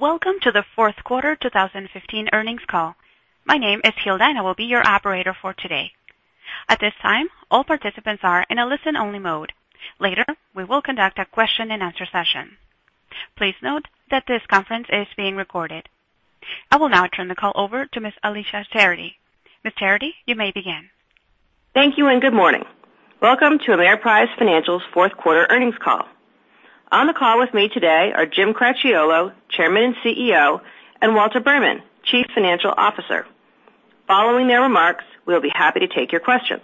Welcome to the fourth quarter 2015 earnings call. My name is Hilda, and I will be your operator for today. At this time, all participants are in a listen-only mode. Later, we will conduct a question-and-answer session. Please note that this conference is being recorded. I will now turn the call over to Ms. Alicia Darabi. Ms. Darabi, you may begin. Thank you and good morning. Welcome to Ameriprise Financial's fourth quarter earnings call. On the call with me today are Jim Cracchiolo, Chairman and Chief Executive Officer, and Walter Berman, Chief Financial Officer. Following their remarks, we will be happy to take your questions.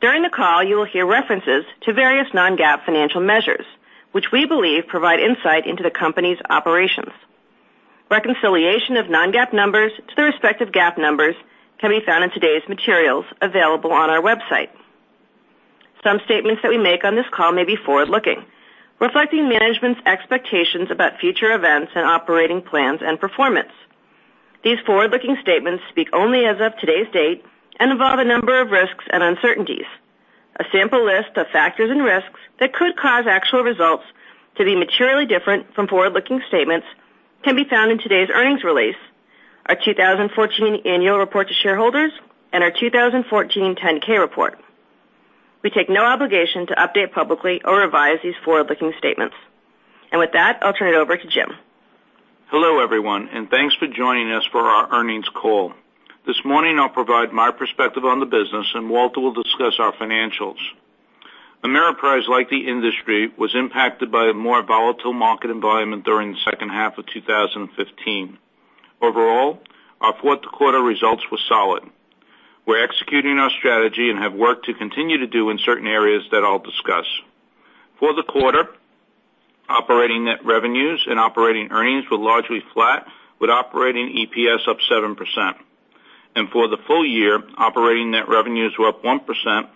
During the call, you will hear references to various non-GAAP financial measures, which we believe provide insight into the company's operations. Reconciliation of non-GAAP numbers to their respective GAAP numbers can be found in today's materials available on our website. Some statements that we make on this call may be forward-looking, reflecting management's expectations about future events and operating plans and performance. These forward-looking statements speak only as of today's date and involve a number of risks and uncertainties. A sample list of factors and risks that could cause actual results to be materially different from forward-looking statements can be found in today's earnings release, our 2014 annual report to shareholders, and our 2014 10-K report. We take no obligation to update publicly or revise these forward-looking statements. With that, I will turn it over to Jim. Hello, everyone, and thanks for joining us for our earnings call. This morning I will provide my perspective on the business, and Walter will discuss our financials. Ameriprise, like the industry, was impacted by a more volatile market environment during the second half of 2015. Overall, our fourth quarter results were solid. We are executing our strategy and have work to continue to do in certain areas that I will discuss. For the quarter, operating net revenues and operating earnings were largely flat with operating EPS up 7%. For the full year, operating net revenues were up 1%,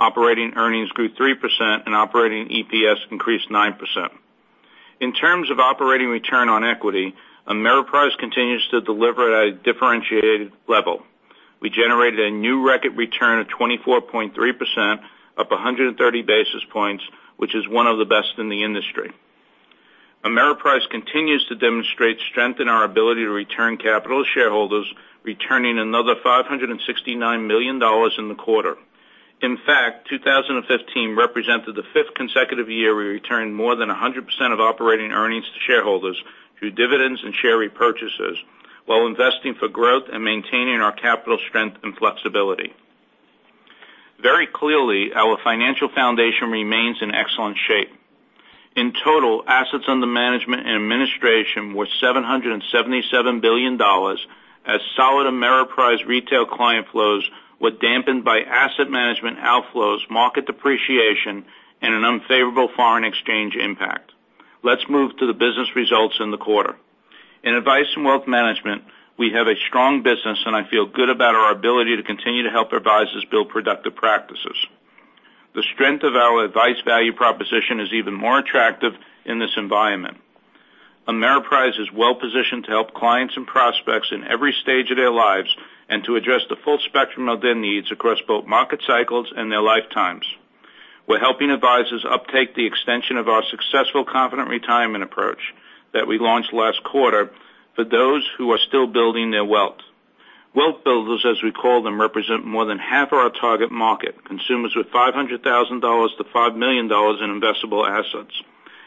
operating earnings grew 3%, and operating EPS increased 9%. In terms of operating return on equity, Ameriprise continues to deliver at a differentiated level. We generated a new record return of 24.3%, up 130 basis points, which is one of the best in the industry. Ameriprise continues to demonstrate strength in our ability to return capital to shareholders, returning another $569 million in the quarter. In fact, 2015 represented the fifth consecutive year we returned more than 100% of operating earnings to shareholders through dividends and share repurchases while investing for growth and maintaining our capital strength and flexibility. Very clearly, our financial foundation remains in excellent shape. In total, assets under management and administration were $777 billion as solid Ameriprise retail client flows were dampened by asset management outflows, market depreciation, and an unfavorable foreign exchange impact. Let's move to the business results in the quarter. In Advice and Wealth Management, we have a strong business, and I feel good about our ability to continue to help advisors build productive practices. The strength of our advice value proposition is even more attractive in this environment. Ameriprise is well-positioned to help clients and prospects in every stage of their lives and to address the full spectrum of their needs across both market cycles and their lifetimes. We're helping advisors uptake the extension of our successful Confident Retirement approach that we launched last quarter for those who are still building their wealth. Wealth builders, as we call them, represent more than half our target market, consumers with $500,000-$5 million in investable assets.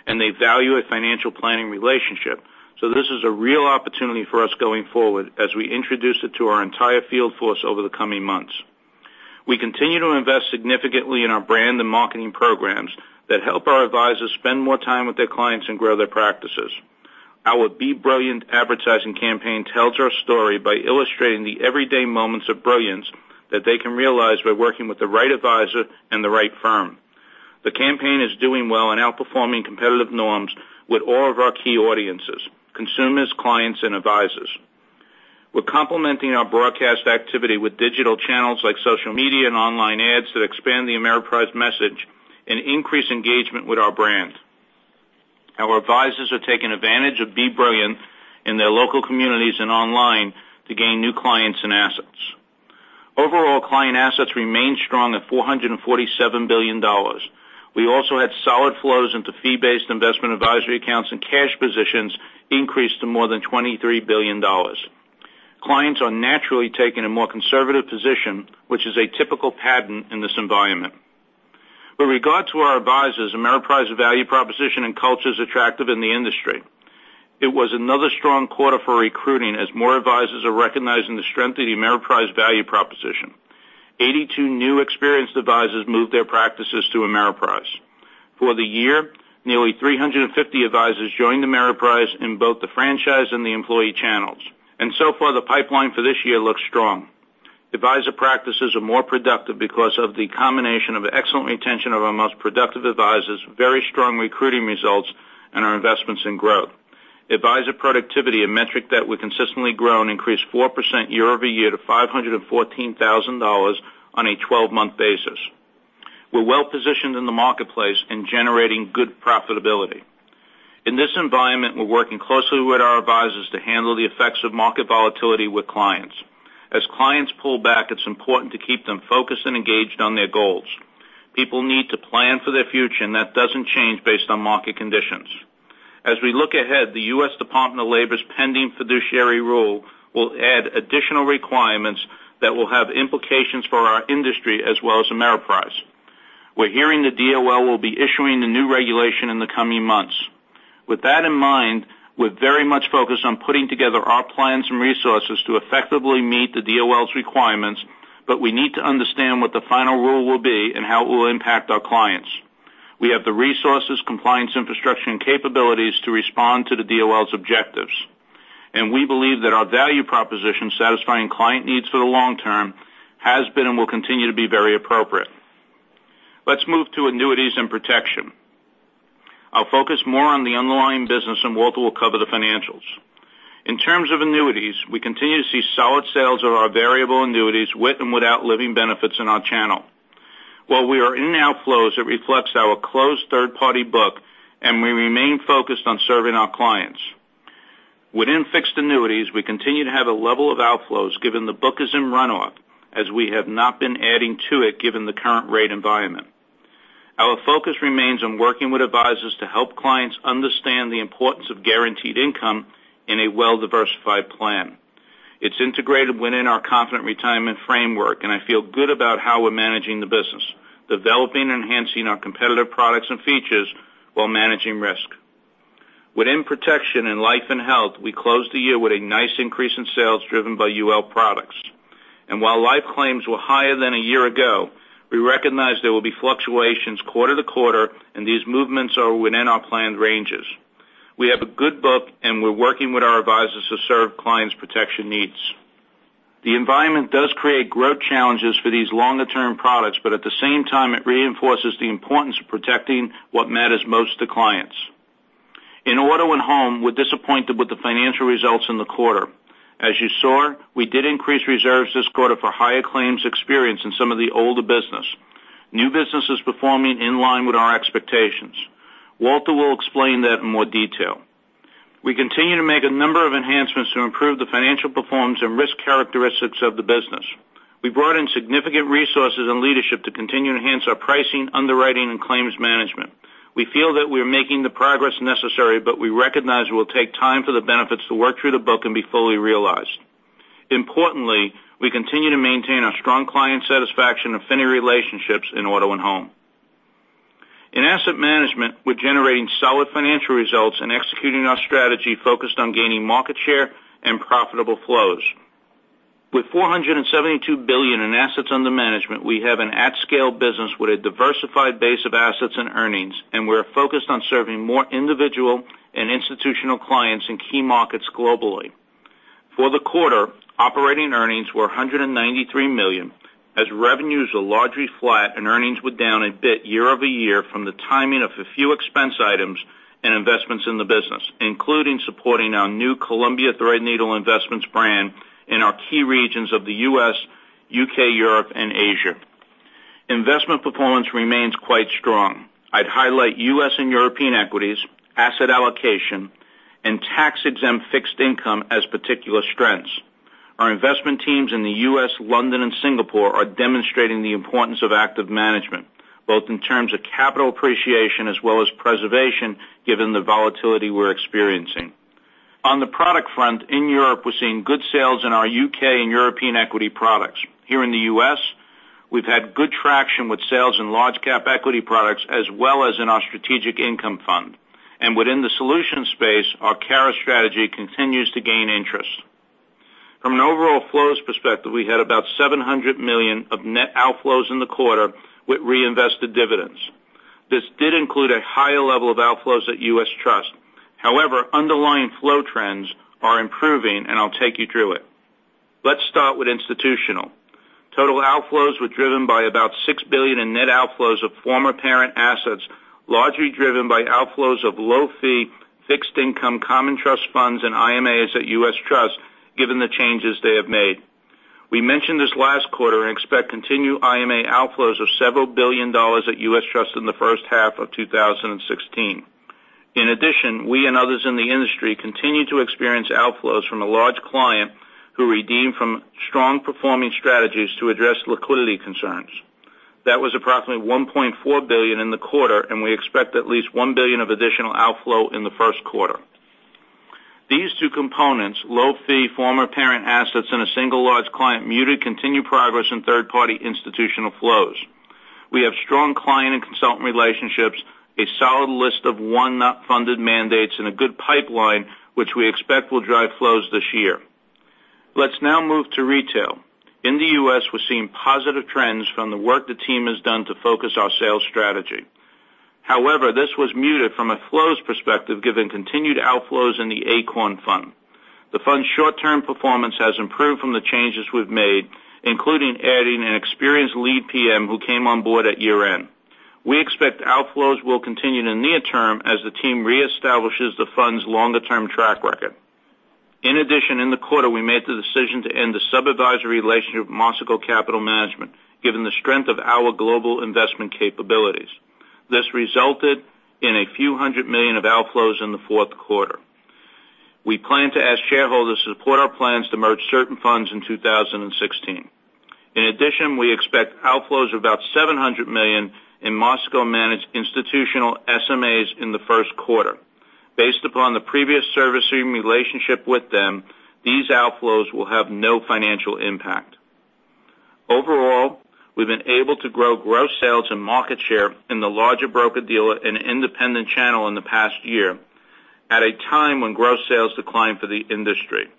They value a financial planning relationship. This is a real opportunity for us going forward as we introduce it to our entire field force over the coming months. We continue to invest significantly in our brand and marketing programs that help our advisors spend more time with their clients and grow their practices. Our Be Brilliant advertising campaign tells our story by illustrating the everyday moments of brilliance that they can realize by working with the right advisor and the right firm. The campaign is doing well and outperforming competitive norms with all of our key audiences, consumers, clients, and advisors. We're complementing our broadcast activity with digital channels like social media and online ads that expand the Ameriprise message and increase engagement with our brand. Our advisors are taking advantage of Be Brilliant in their local communities and online to gain new clients and assets. Overall, client assets remain strong at $447 billion. We also had solid flows into fee-based investment advisory accounts, and cash positions increased to more than $23 billion. Clients are naturally taking a more conservative position, which is a typical pattern in this environment. With regard to our advisors, Ameriprise value proposition and culture is attractive in the industry. It was another strong quarter for recruiting as more advisors are recognizing the strength of the Ameriprise value proposition. 82 new experienced advisors moved their practices to Ameriprise. For the year, nearly 350 advisors joined Ameriprise in both the franchise and the employee channels. So far, the pipeline for this year looks strong. Advisor practices are more productive because of the combination of excellent retention of our most productive advisors, very strong recruiting results, and our investments in growth. Advisor productivity, a metric that we consistently grow and increase 4% year-over-year to $514,000 on a 12-month basis. We're well-positioned in the marketplace in generating good profitability. In this environment, we're working closely with our advisors to handle the effects of market volatility with clients. As clients pull back, it's important to keep them focused and engaged on their goals. People need to plan for their future, that doesn't change based on market conditions. As we look ahead, the U.S. Department of Labor's pending fiduciary rule will add additional requirements that will have implications for our industry as well as Ameriprise. We're hearing the DOL will be issuing the new regulation in the coming months. With that in mind, we're very much focused on putting together our plans and resources to effectively meet the DOL's requirements, but we need to understand what the final rule will be and how it will impact our clients. We have the resources, compliance, infrastructure, and capabilities to respond to the DOL's objectives, and we believe that our value proposition, satisfying client needs for the long term, has been and will continue to be very appropriate. Let's move to annuities and protection. I'll focus more on the underlying business, Walter will cover the financials. In terms of annuities, we continue to see solid sales of our variable annuities with and without living benefits in our channel. While we are in outflows, it reflects our closed third-party book, we remain focused on serving our clients. Within fixed annuities, we continue to have a level of outflows given the book is in runoff, as we have not been adding to it given the current rate environment. Our focus remains on working with advisors to help clients understand the importance of guaranteed income in a well-diversified plan. It's integrated within our Confident Retirement framework, I feel good about how we're managing the business, developing and enhancing our competitive products and features while managing risk. Within protection and life and health, we closed the year with a nice increase in sales driven by UL products. While life claims were higher than a year ago, we recognize there will be fluctuations quarter to quarter, and these movements are within our planned ranges. We have a good book, we're working with our advisors to serve clients' protection needs. The environment does create growth challenges for these longer-term products, at the same time, it reinforces the importance of protecting what matters most to clients. In Auto & Home, we're disappointed with the financial results in the quarter. As you saw, we did increase reserves this quarter for higher claims experience in some of the older business. New business is performing in line with our expectations. Walter will explain that in more detail. We continue to make a number of enhancements to improve the financial performance and risk characteristics of the business. We brought in significant resources and leadership to continue to enhance our pricing, underwriting, and claims management. We feel that we are making the progress necessary, we recognize it will take time for the benefits to work through the book and be fully realized. Importantly, we continue to maintain our strong client satisfaction affinity relationships in Auto & Home. In asset management, we're generating solid financial results executing our strategy focused on gaining market share and profitable flows. With $472 billion in assets under management, we have an at-scale business with a diversified base of assets and earnings, we're focused on serving more individual and institutional clients in key markets globally. For the quarter, operating earnings were $193 million as revenues were largely flat and earnings were down a bit year-over-year from the timing of a few expense items and investments in the business, including supporting our new Columbia Threadneedle Investments brand in our key regions of the U.S., U.K., Europe, and Asia. Investment performance remains quite strong. I'd highlight U.S. and European equities, asset allocation, and tax-exempt fixed income as particular strengths. Our investment teams in the U.S., London, and Singapore are demonstrating the importance of active management, both in terms of capital appreciation as well as preservation, given the volatility we're experiencing. On the product front, in Europe, we're seeing good sales in our U.K. and European equity products. Here in the U.S., we've had good traction with sales in large cap equity products as well as in our Strategic Income Fund. Within the solution space, our CARA strategy continues to gain interest. From an overall flows perspective, we had about $700 million of net outflows in the quarter with reinvested dividends. This did include a higher level of outflows at U.S. Trust. However, underlying flow trends are improving, and I'll take you through it. Let's start with institutional. Total outflows were driven by about $6 billion in net outflows of former parent assets, largely driven by outflows of low-fee fixed income common trust funds and IMAs at U.S. Trust, given the changes they have made. We mentioned this last quarter and expect continued IMA outflows of several billion dollars at U.S. Trust in the first half of 2016. In addition, we and others in the industry continue to experience outflows from a large client who redeemed from strong performing strategies to address liquidity concerns. That was approximately $1.4 billion in the quarter, and we expect at least $1 billion of additional outflow in the first quarter. These two components, low fee former parent assets and a single large client, muted continued progress in third-party institutional flows. We have strong client and consultant relationships, a solid list of one-not-funded mandates, and a good pipeline which we expect will drive flows this year. Let's now move to retail. In the U.S., we're seeing positive trends from the work the team has done to focus our sales strategy. However, this was muted from a flows perspective given continued outflows in the Acorn Fund. The fund's short-term performance has improved from the changes we've made, including adding an experienced lead PM who came on board at year-end. We expect outflows will continue in the near term as the team reestablishes the fund's longer-term track record. In addition, in the quarter, we made the decision to end the sub-advisory relationship with Marsico Capital Management, given the strength of our global investment capabilities. This resulted in a few hundred million of outflows in the fourth quarter. We plan to ask shareholders to support our plans to merge certain funds in 2016. In addition, we expect outflows of about $700 million in Marsico-managed institutional SMAs in the first quarter. Based upon the previous servicing relationship with them, these outflows will have no financial impact. Overall, we've been able to grow gross sales and market share in the larger broker-dealer and independent channel in the past year at a time when gross sales declined for the industry.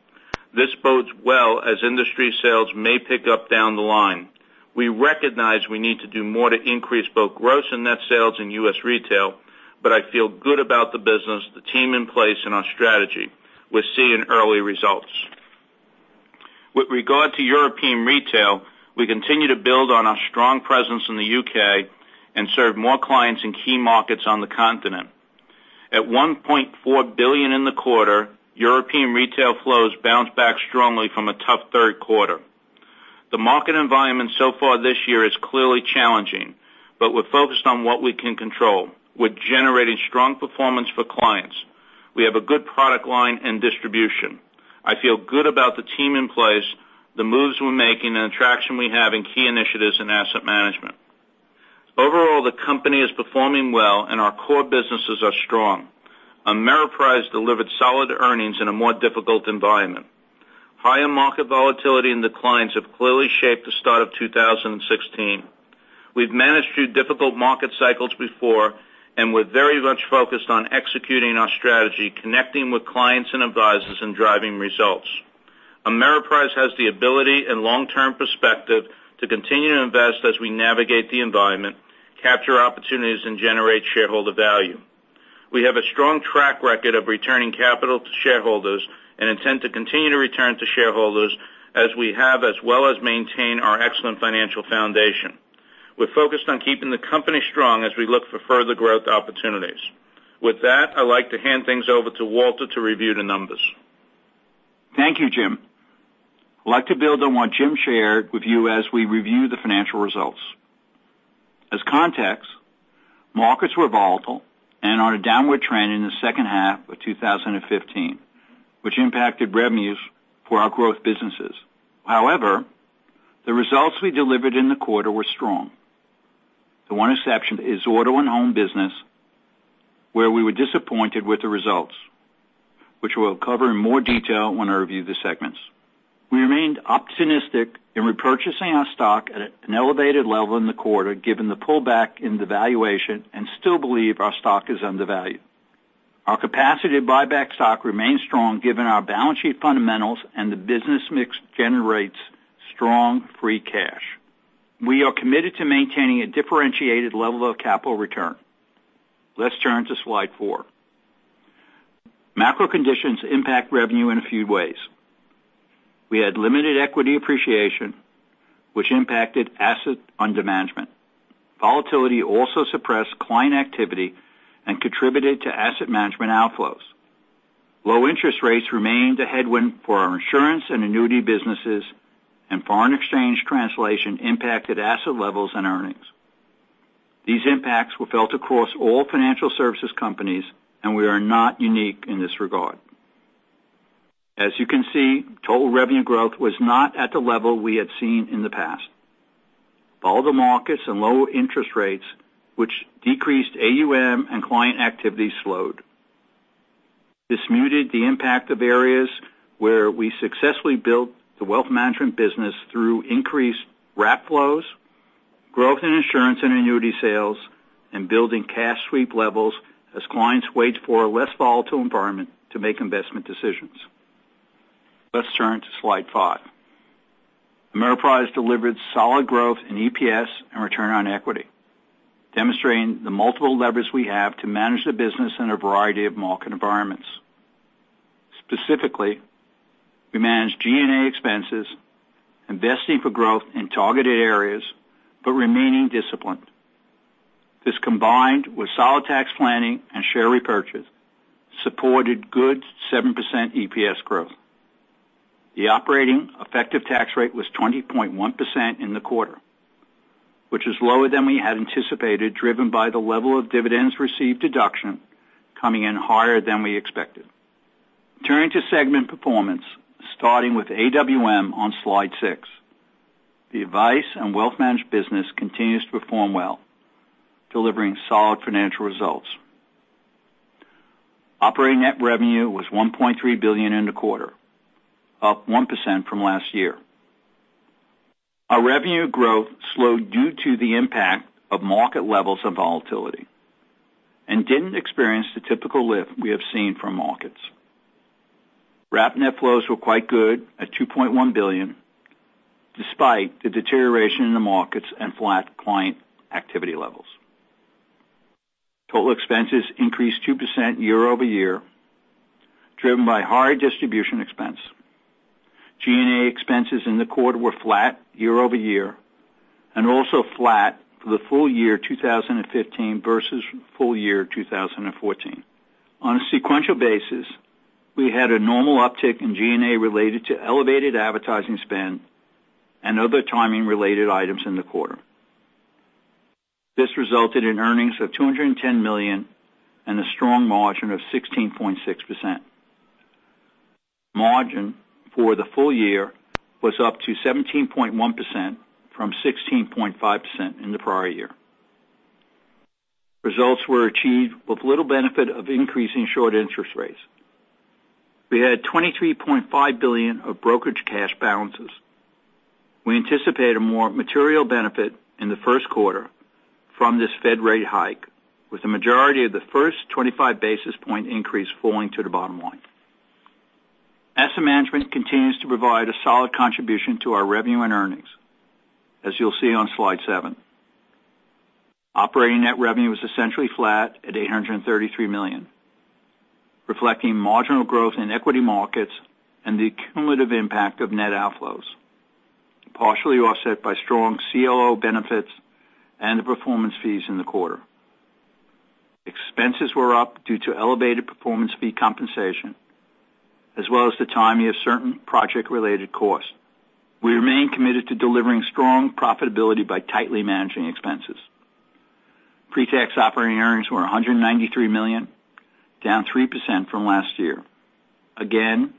This bodes well as industry sales may pick up down the line. We recognize we need to do more to increase both gross and net sales in U.S. retail. I feel good about the business, the team in place, and our strategy. We're seeing early results. With regard to European retail, we continue to build on our strong presence in the U.K. and serve more clients in key markets on the continent. At $1.4 billion in the quarter, European retail flows bounced back strongly from a tough third quarter. The market environment so far this year is clearly challenging. We're focused on what we can control. We're generating strong performance for clients. We have a good product line and distribution. I feel good about the team in place, the moves we're making, and the traction we have in key initiatives in asset management. Overall, the company is performing well, and our core businesses are strong. Ameriprise delivered solid earnings in a more difficult environment. Higher market volatility and declines have clearly shaped the start of 2016. We've managed through difficult market cycles before. We're very much focused on executing our strategy, connecting with clients and advisors, and driving results. Ameriprise has the ability and long-term perspective to continue to invest as we navigate the environment, capture opportunities, and generate shareholder value. We have a strong track record of returning capital to shareholders and intend to continue to return to shareholders as we have, as well as maintain our excellent financial foundation. We're focused on keeping the company strong as we look for further growth opportunities. With that, I'd like to hand things over to Walter to review the numbers. Thank you, Jim. I'd like to build on what Jim shared with you as we review the financial results. As context, markets were volatile and on a downward trend in the second half of 2015, which impacted revenues for our growth businesses. The results we delivered in the quarter were strong. The one exception is Auto & Home business, where we were disappointed with the results, which we'll cover in more detail when I review the segments. We remained optimistic in repurchasing our stock at an elevated level in the quarter, given the pullback in the valuation, and still believe our stock is undervalued. Our capacity to buy back stock remains strong, given our balance sheet fundamentals, and the business mix generates strong free cash. We are committed to maintaining a differentiated level of capital return. Let's turn to slide four. Macro conditions impact revenue in a few ways. We had limited equity appreciation, which impacted asset under management. Volatility also suppressed client activity and contributed to asset management outflows. Low interest rates remained a headwind for our insurance and annuity businesses. Foreign exchange translation impacted asset levels and earnings. These impacts were felt across all financial services companies. We are not unique in this regard. As you can see, total revenue growth was not at the level we had seen in the past. Volatile markets and low interest rates, which decreased AUM and client activity slowed. This muted the impact of areas where we successfully built the wealth management business through increased wrap flows, growth in insurance and annuity sales, and building cash sweep levels as clients wait for a less volatile environment to make investment decisions. Let's turn to slide five. Ameriprise delivered solid growth in EPS and return on equity, demonstrating the multiple levers we have to manage the business in a variety of market environments. Specifically, we managed G&A expenses, investing for growth in targeted areas but remaining disciplined. This, combined with solid tax planning and share repurchase, supported good 7% EPS growth. The operating effective tax rate was 20.1% in the quarter, which is lower than we had anticipated, driven by the level of dividends received deduction coming in higher than we expected. Turning to segment performance, starting with AWM on slide six. The advice and wealth management business continues to perform well, delivering solid financial results. Operating net revenue was $1.3 billion in the quarter, up 1% from last year. Our revenue growth slowed due to the impact of market levels of volatility and didn't experience the typical lift we have seen from markets. Wrap net flows were quite good at $2.1 billion, despite the deterioration in the markets and flat client activity levels. Total expenses increased 2% year-over-year, driven by higher distribution expense. G&A expenses in the quarter were flat year-over-year and also flat for the full year 2015 versus full year 2014. On a sequential basis, we had a normal uptick in G&A related to elevated advertising spend and other timing-related items in the quarter. This resulted in earnings of $210 million and a strong margin of 16.6%. Margin for the full year was up to 17.1% from 16.5% in the prior year. Results were achieved with little benefit of increasing short interest rates. We had $23.5 billion of brokerage cash balances. We anticipate a more material benefit in the first quarter from this Fed rate hike, with the majority of the first 25 basis point increase falling to the bottom line. Asset management continues to provide a solid contribution to our revenue and earnings, as you'll see on slide seven. Operating net revenue was essentially flat at $833 million, reflecting marginal growth in equity markets and the cumulative impact of net outflows, partially offset by strong CLO benefits and the performance fees in the quarter. Expenses were up due to elevated performance fee compensation, as well as the timing of certain project-related costs. We remain committed to delivering strong profitability by tightly managing expenses. Pre-tax operating earnings were $193 million, down 3% from last year. Again,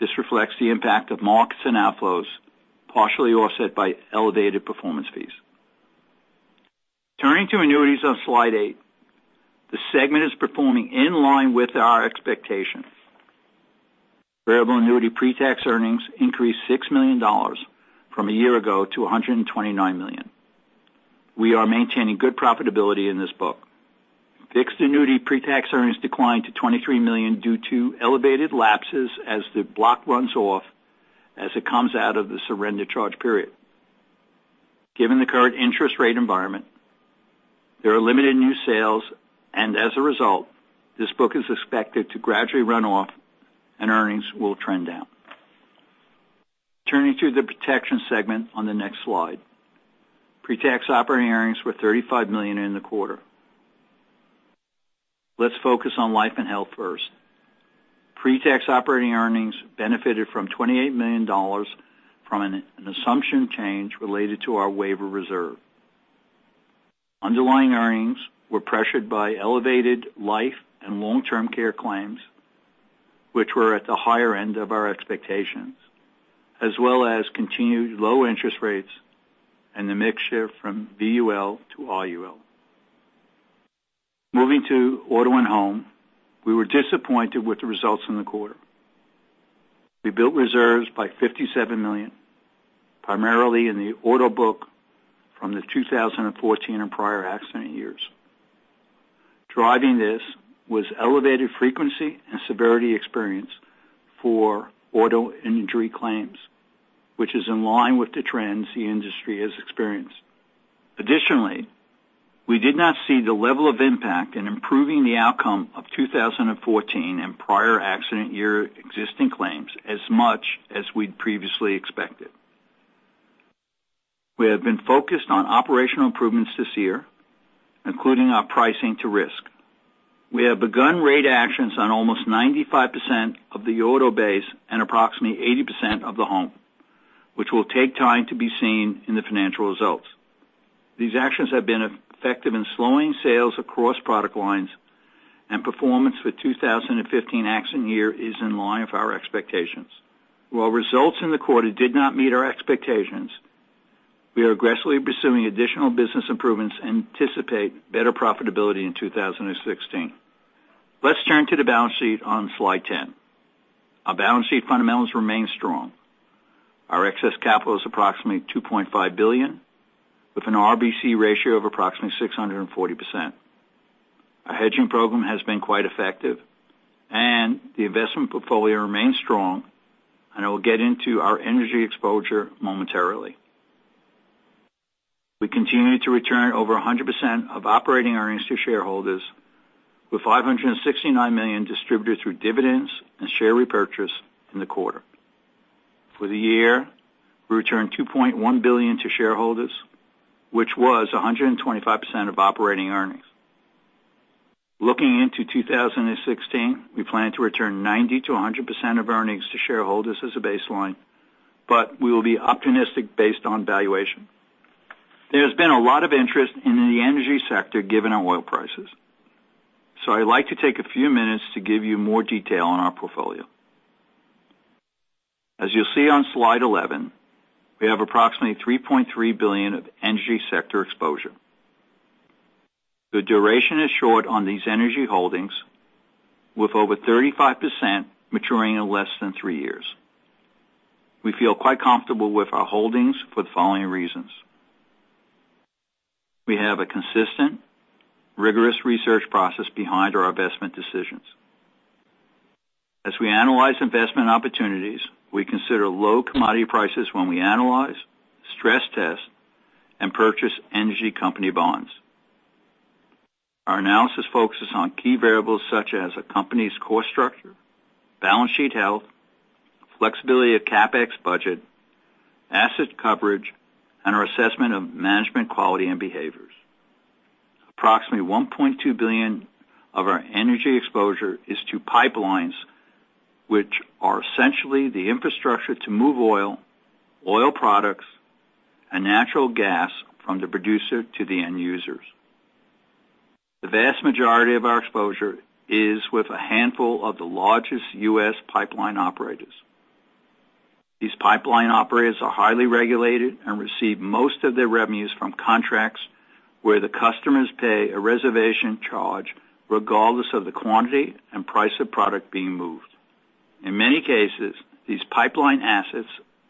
this reflects the impact of markets and outflows, partially offset by elevated performance fees. Turning to annuities on slide eight, the segment is performing in line with our expectations. Variable annuity pre-tax earnings increased $6 million from a year ago to $129 million. We are maintaining good profitability in this book. Fixed annuity pre-tax earnings declined to $23 million due to elevated lapses as the block runs off as it comes out of the surrender charge period. Given the current interest rate environment, there are limited new sales, and as a result, this book is expected to gradually run off and earnings will trend down. Turning to the protection segment on the next slide. Pre-tax operating earnings were $35 million in the quarter. Let's focus on life and health first. Pre-tax operating earnings benefited from $28 million from an assumption change related to our waiver reserve. Underlying earnings were pressured by elevated life and long-term care claims, which were at the higher end of our expectations, as well as continued low interest rates and the mix shift from VUL to IUL. Moving to Auto & Home, we were disappointed with the results in the quarter. We built reserves by $57 million, primarily in the auto book from the 2014 and prior accident years. Driving this was elevated frequency and severity experience for auto injury claims, which is in line with the trends the industry has experienced. Additionally, we did not see the level of impact in improving the outcome of 2014 and prior accident year existing claims as much as we'd previously expected. We have been focused on operational improvements this year, including our pricing to risk. We have begun rate actions on almost 95% of the auto base and approximately 80% of the home, which will take time to be seen in the financial results. These actions have been effective in slowing sales across product lines, and performance for 2015 accident year is in line with our expectations. While results in the quarter did not meet our expectations, we are aggressively pursuing additional business improvements and anticipate better profitability in 2016. Let's turn to the balance sheet on slide 10. Our balance sheet fundamentals remain strong. Our excess capital is approximately $2.5 billion, with an RBC ratio of approximately 640%. Our hedging program has been quite effective, and the investment portfolio remains strong. I will get into our energy exposure momentarily. We continue to return over 100% of operating earnings to shareholders, with $569 million distributed through dividends and share repurchase in the quarter. For the year, we returned $2.1 billion to shareholders, which was 125% of operating earnings. Looking into 2016, we plan to return 90%-100% of earnings to shareholders as a baseline, but we will be optimistic based on valuation. There's been a lot of interest in the energy sector, given oil prices. I'd like to take a few minutes to give you more detail on our portfolio. As you'll see on slide 11, we have approximately $3.3 billion of energy sector exposure. The duration is short on these energy holdings, with over 35% maturing in less than three years. We feel quite comfortable with our holdings for the following reasons. We have a consistent, rigorous research process behind our investment decisions. As we analyze investment opportunities, we consider low commodity prices when we analyze, stress test, and purchase energy company bonds. Our analysis focuses on key variables such as a company's cost structure, balance sheet health, flexibility of CapEx budget, asset coverage, and our assessment of management quality and behaviors. Approximately $1.2 billion of our energy exposure is to pipelines, which are essentially the infrastructure to move oil products, and natural gas from the producer to the end users. The vast majority of our exposure is with a handful of the largest U.S. pipeline operators. These pipeline operators are highly regulated and receive most of their revenues from contracts where the customers pay a reservation charge regardless of the quantity and price of product being moved. In many cases, these pipeline assets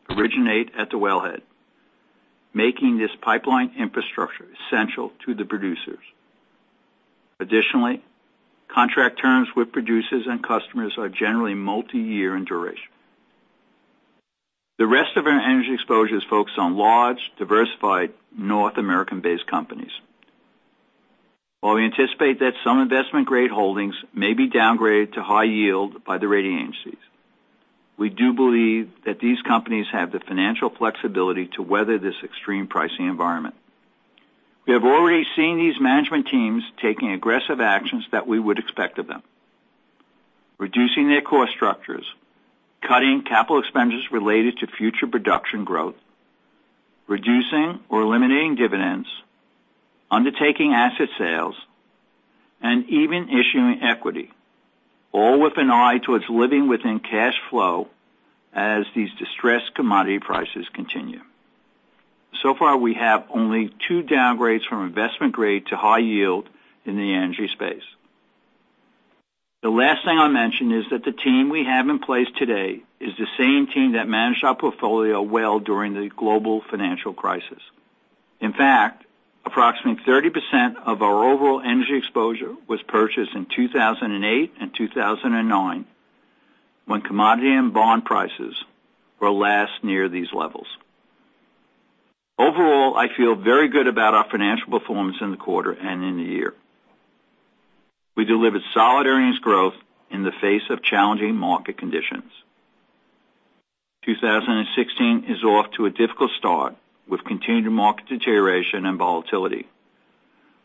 originate at the wellhead, making this pipeline infrastructure essential to the producers. Additionally, contract terms with producers and customers are generally multi-year in duration. The rest of our energy exposure is focused on large, diversified North American-based companies. While we anticipate that some investment-grade holdings may be downgraded to high yield by the rating agencies, we do believe that these companies have the financial flexibility to weather this extreme pricing environment. We have already seen these management teams taking aggressive actions that we would expect of them. Reducing their cost structures, cutting capital expenditures related to future production growth, reducing or eliminating dividends, undertaking asset sales, and even issuing equity, all with an eye towards living within cash flow as these distressed commodity prices continue. So far, we have only two downgrades from investment grade to high yield in the energy space. The last thing I'll mention is that the team we have in place today is the same team that managed our portfolio well during the global financial crisis. In fact, approximately 30% of our overall energy exposure was purchased in 2008 and 2009, when commodity and bond prices were last near these levels. Overall, I feel very good about our financial performance in the quarter and in the year. We delivered solid earnings growth in the face of challenging market conditions. 2016 is off to a difficult start with continued market deterioration and volatility,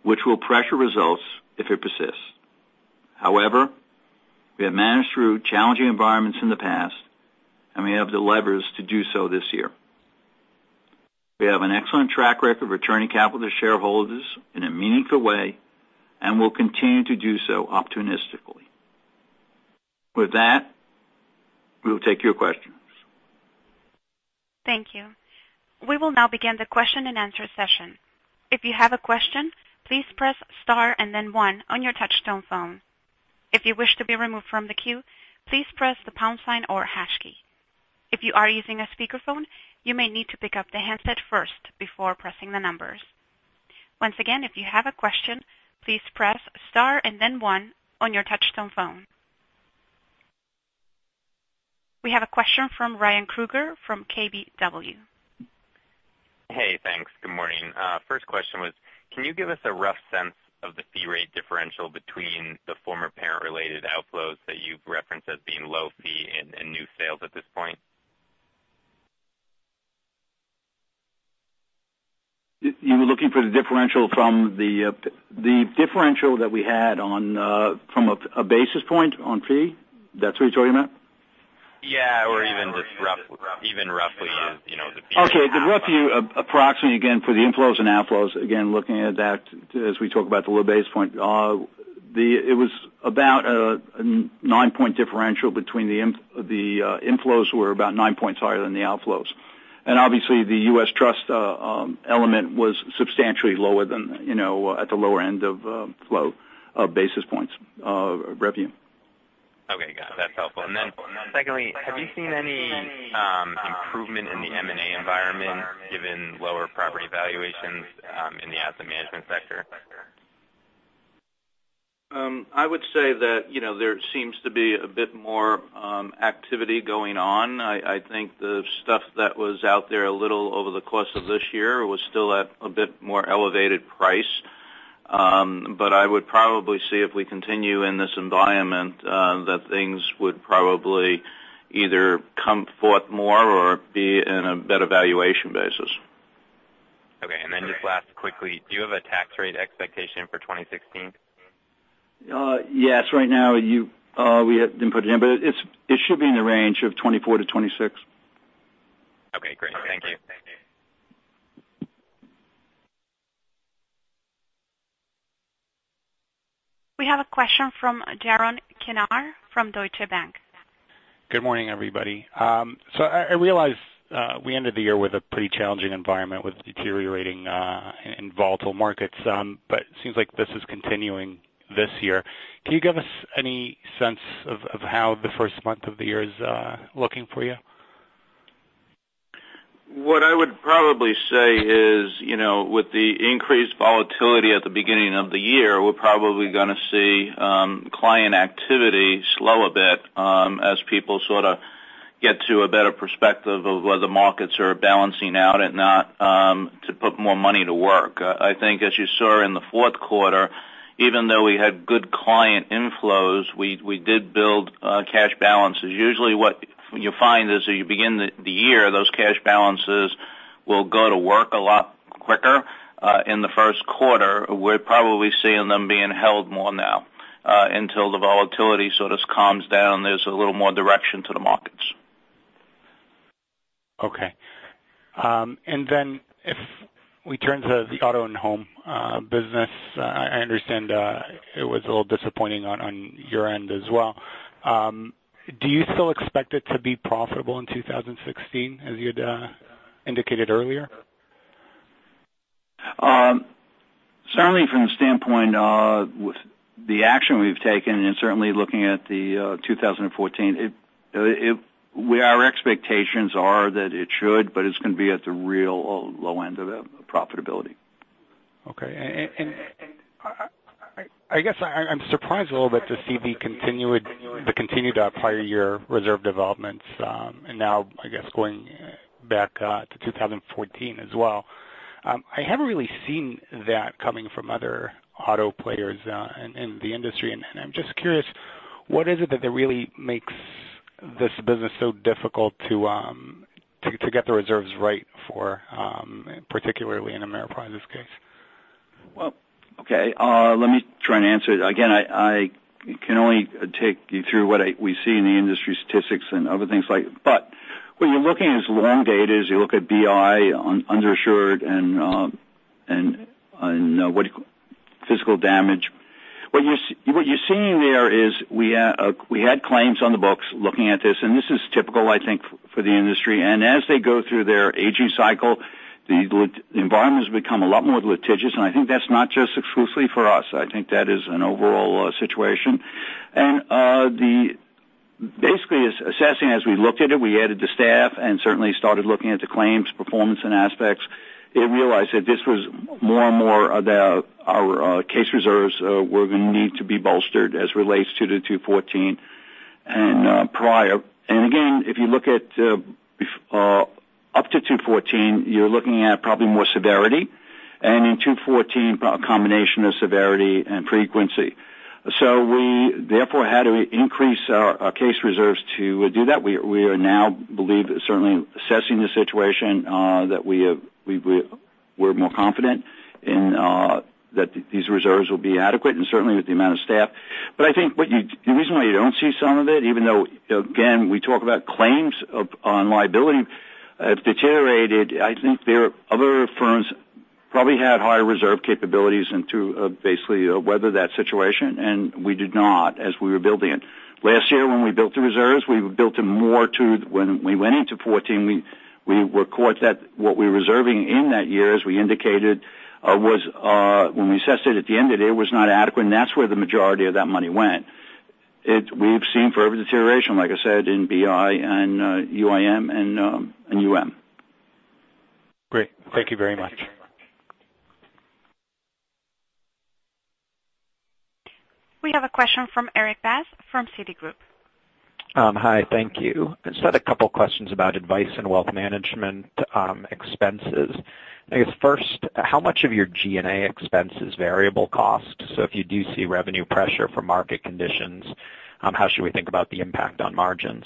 which will pressure results if it persists. We have managed through challenging environments in the past, and we have the levers to do so this year. We have an excellent track record of returning capital to shareholders in a meaningful way, and we'll continue to do so opportunistically. We'll take your questions. Thank you. We will now begin the question and answer session. If you have a question, please press star and then one on your touchtone phone. If you wish to be removed from the queue, please press the pound sign or hash key. If you are using a speakerphone, you may need to pick up the handset first before pressing the numbers. Once again, if you have a question, please press star and then one on your touchtone phone. We have a question from Ryan Krueger from KBW. Hey, thanks. Good morning. First question was, can you give us a rough sense of the fee rate differential between the former parent-related outflows that you've referenced as being low fee and new sales at this point? You were looking for the differential from the differential that we had from a basis point on fee? That's what you're talking about? Yeah. Even roughly. Okay. The rough approximate, again, for the inflows and outflows, again, looking at that as we talk about the low basis point. It was about a nine-point differential between the inflows were about nine points higher than the outflows. Obviously the U.S. Trust element was substantially lower than at the lower end of flow of basis points of revenue. Okay, got it. That's helpful. Then secondly, have you seen any improvement in the M&A environment given lower property valuations in the asset management sector? I would say that there seems to be a bit more activity going on. I think the stuff that was out there a little over the course of this year was still at a bit more elevated price. I would probably see if we continue in this environment, that things would probably either come forth more or be in a better valuation basis. Okay, just last quickly, do you have a tax rate expectation for 2016? Yes. Right now, we haven't input it in, it should be in the range of 24%-26%. Okay, great. Thank you. We have a question from Jaron Kenar from Deutsche Bank. Good morning, everybody. I realize we ended the year with a pretty challenging environment with deteriorating and volatile markets, but it seems like this is continuing this year. Can you give us any sense of how the first month of the year is looking for you? What I would probably say is, with the increased volatility at the beginning of the year, we're probably going to see client activity slow a bit as people sort of get to a better perspective of whether markets are balancing out and not to put more money to work. I think as you saw in the fourth quarter, even though we had good client inflows, we did build cash balances. Usually what you find is as you begin the year, those cash balances will go to work a lot quicker in the first quarter. We're probably seeing them being held more now until the volatility sort of calms down. There's a little more direction to the markets. Okay. If we turn to the Auto & Home business, I understand it was a little disappointing on your end as well. Do you still expect it to be profitable in 2016, as you'd indicated earlier? Certainly from the standpoint of the action we've taken, certainly looking at 2014, our expectations are that it should, but it's going to be at the real low end of the profitability. Okay. I guess I'm surprised a little bit to see the continued prior year reserve developments, now I guess going back to 2014 as well. I haven't really seen that coming from other auto players in the industry, I'm just curious, what is it that really makes this business so difficult to get the reserves right for, particularly in Ameriprise's case? Well, okay. Let me try and answer it again. I can only take you through what we see in the industry statistics and other things like. What you're looking at is long data as you look at BI on underinsured and physical damage. What you're seeing there is we had claims on the books looking at this is typical, I think, for the industry. As they go through their aging cycle, the environment has become a lot more litigious, I think that's not just exclusively for us. I think that is an overall situation. Basically, assessing as we looked at it, we added the staff and certainly started looking at the claims performance and aspects, realized that this was more and more about our case reserves were going to need to be bolstered as relates to 2014 and prior. Again, if you look at up to 2014, you're looking at probably more severity. In 2014, a combination of severity and frequency. We therefore had to increase our case reserves to do that. We now believe that certainly assessing the situation that we're more confident in that these reserves will be adequate and certainly with the amount of staff. I think the reason why you don't see some of it, even though, again, we talk about claims on liability have deteriorated. I think other firms probably had higher reserve capabilities into basically weather that situation, we did not as we were building it. Last year when we built the reserves, we built them more to when we went into 2014, we caught that what we were reserving in that year, as we indicated, when we assessed it at the end of the day, was not adequate, and that's where the majority of that money went. We've seen further deterioration, like I said, in BI and UIM and UM. Great. Thank you very much. We have a question from Erik Bass from Citigroup. Hi. Thank you. Just had a couple questions about advice and wealth management expenses. I guess first, how much of your G&A expense is variable cost? If you do see revenue pressure from market conditions, how should we think about the impact on margins?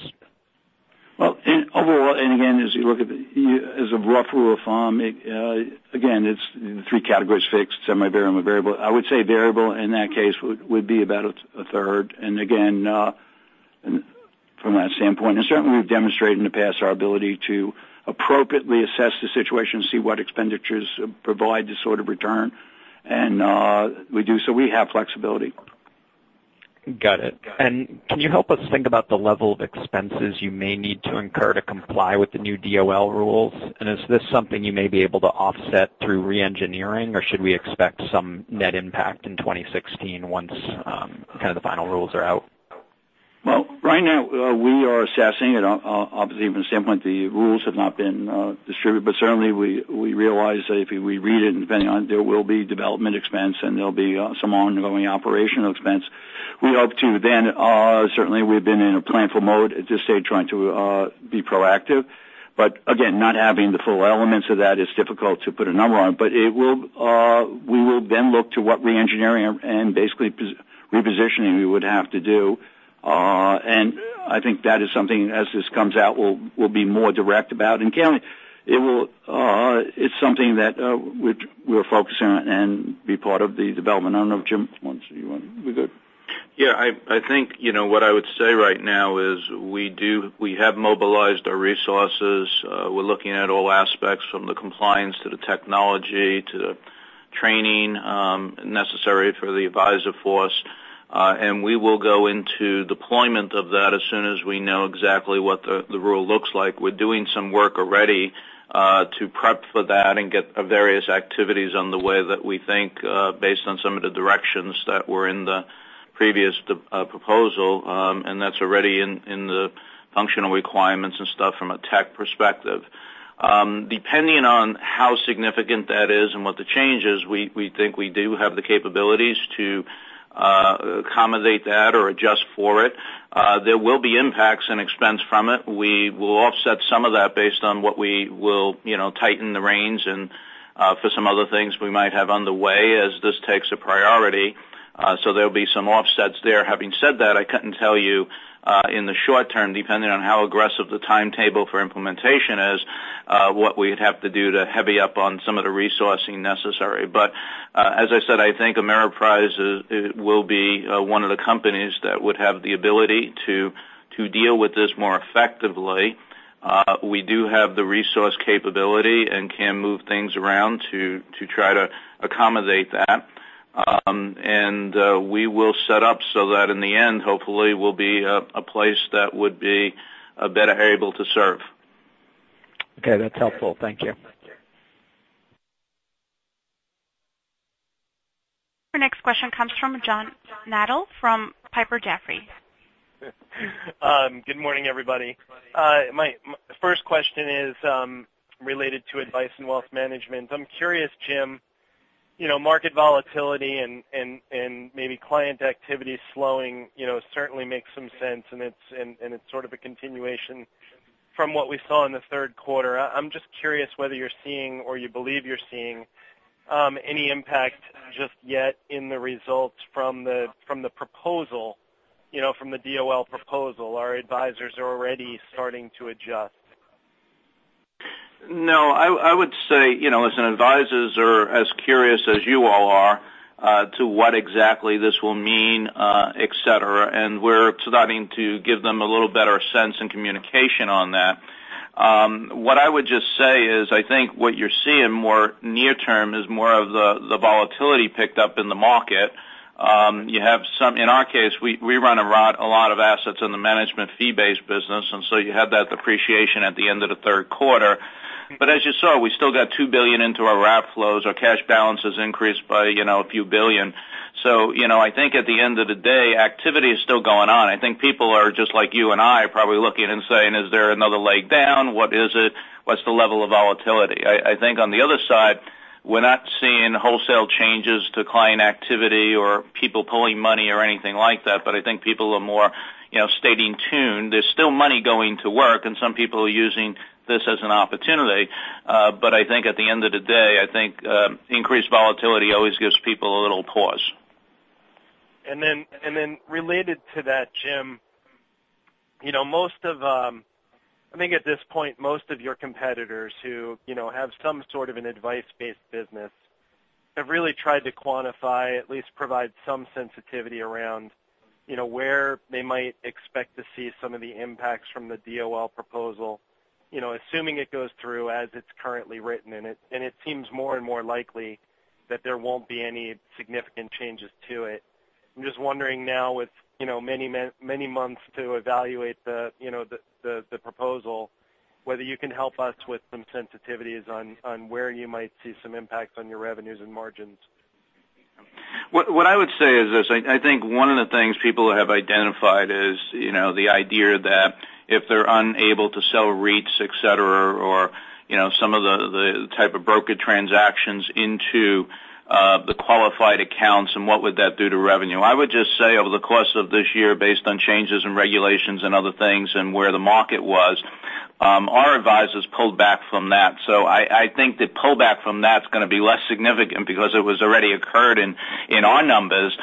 Well, overall, again, as a rough rule of thumb, again, it's three categories, fixed, semi-variable, and variable. I would say variable in that case would be about a third. Again, from that standpoint. Certainly, we've demonstrated in the past our ability to appropriately assess the situation, see what expenditures provide the sort of return. We do, so we have flexibility. Got it. Can you help us think about the level of expenses you may need to incur to comply with the new DOL rules? Is this something you may be able to offset through re-engineering, or should we expect some net impact in 2016 once kind of the final rules are out? Well, right now we are assessing it. Obviously, from the standpoint, the rules have not been distributed. Certainly, we realize that if we read it and depending on, there will be development expense, and there'll be some ongoing operational expense. We hope to, certainly, we've been in a planful mode at this stage trying to be proactive. Again, not having the full elements of that, it's difficult to put a number on. We will look to what re-engineering and basically repositioning we would have to do. I think that is something as this comes out, we'll be more direct about. Kevin, it's something that we're focusing on and be part of the development. I don't know if Jim wants to. You want to be good? Yeah, I think what I would say right now is we have mobilized our resources. We're looking at all aspects, from the compliance to the technology to the training necessary for the advisor force. We will go into deployment of that as soon as we know exactly what the rule looks like. We're doing some work already to prep for that and get various activities on the way that we think based on some of the directions that were in the previous proposal, that's already in the functional requirements and stuff from a tech perspective. Depending on how significant that is and what the change is, we think we do have the capabilities to accommodate that or adjust for it. There will be impacts and expense from it. We will offset some of that based on what we will tighten the reins, for some other things we might have on the way as this takes a priority. There'll be some offsets there. Having said that, I couldn't tell you in the short term, depending on how aggressive the timetable for implementation is, what we'd have to do to heavy up on some of the resourcing necessary. As I said, I think Ameriprise will be one of the companies that would have the ability to deal with this more effectively. We do have the resource capability and can move things around to try to accommodate that. We will set up so that in the end, hopefully, we'll be a place that would be better able to serve. Okay. That's helpful. Thank you. Our next question comes from John Nadel from Piper Jaffray. Good morning, everybody. My first question is related to advice in wealth management. I'm curious, Jim, market volatility and maybe client activity slowing certainly makes some sense, it's sort of a continuation from what we saw in the third quarter. I'm just curious whether you're seeing or you believe you're seeing any impact just yet in the results from the proposal, from the DOL proposal. Are advisors already starting to adjust? No. I would say, as advisors are as curious as you all are to what exactly this will mean, et cetera, and we're starting to give them a little better sense and communication on that. What I would just say is, I think what you're seeing more near term is more of the volatility picked up in the market. In our case, we run a lot of assets in the management fee-based business, and so you have that depreciation at the end of the third quarter. As you saw, we still got $2 billion into our wrap flows. Our cash balances increased by a few billion. I think at the end of the day, activity is still going on. I think people are just like you and I, probably looking and saying, "Is there another leg down? What is it? What's the level of volatility? I think on the other side, we're not seeing wholesale changes to client activity or people pulling money or anything like that. I think people are more staying tuned. There's still money going to work, and some people are using this as an opportunity. I think at the end of the day, I think increased volatility always gives people a little pause. Related to that, Jim, I think at this point, most of your competitors who have some sort of an advice-based business have really tried to quantify, at least provide some sensitivity around where they might expect to see some of the impacts from the DOL proposal. Assuming it goes through as it's currently written, and it seems more and more likely that there won't be any significant changes to it. I'm just wondering now with many months to evaluate the proposal, whether you can help us with some sensitivities on where you might see some impacts on your revenues and margins. What I would say is this. I think one of the things people have identified is the idea that if they're unable to sell REITs, et cetera, or some of the type of broker transactions into the qualified accounts, and what would that do to revenue. I would just say over the course of this year, based on changes in regulations and other things and where the market was, our advisors pulled back from that. I think the pullback from that's going to be less significant because it was already occurred in our numbers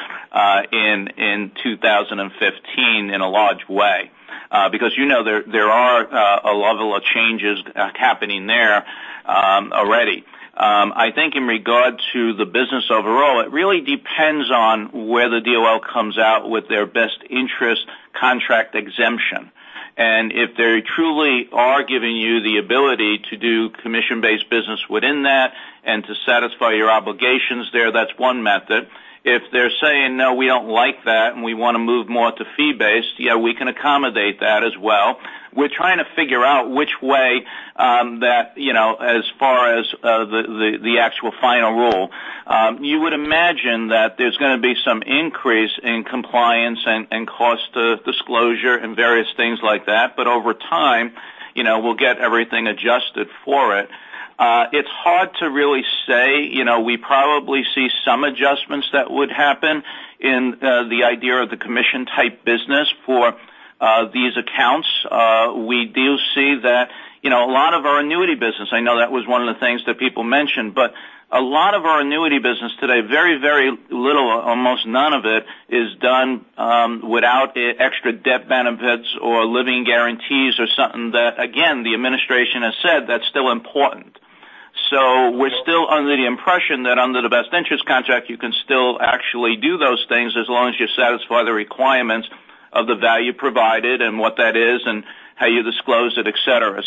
in 2015 in a large way because there are a level of changes happening there already. I think in regard to the business overall, it really depends on whether DOL comes out with their Best Interest Contract Exemption. If they truly are giving you the ability to do commission-based business within that and to satisfy your obligations there, that's one method. If they're saying, "No, we don't like that, we want to move more to fee-based," we can accommodate that as well. We're trying to figure out which way as far as the actual final rule. You would imagine that there's going to be some increase in compliance and cost of disclosure and various things like that. Over time, we'll get everything adjusted for it. It's hard to really say. We probably see some adjustments that would happen in the idea of the commission-type business for these accounts. We do see that a lot of our annuity business, I know that was one of the things that people mentioned, a lot of our annuity business today, very, very little, almost none of it is done without extra death benefits or living guarantees or something that, again, the administration has said that's still important. We're still under the impression that under the Best Interest Contract, you can still actually do those things as long as you satisfy the requirements of the value provided and what that is and how you disclose it, et cetera.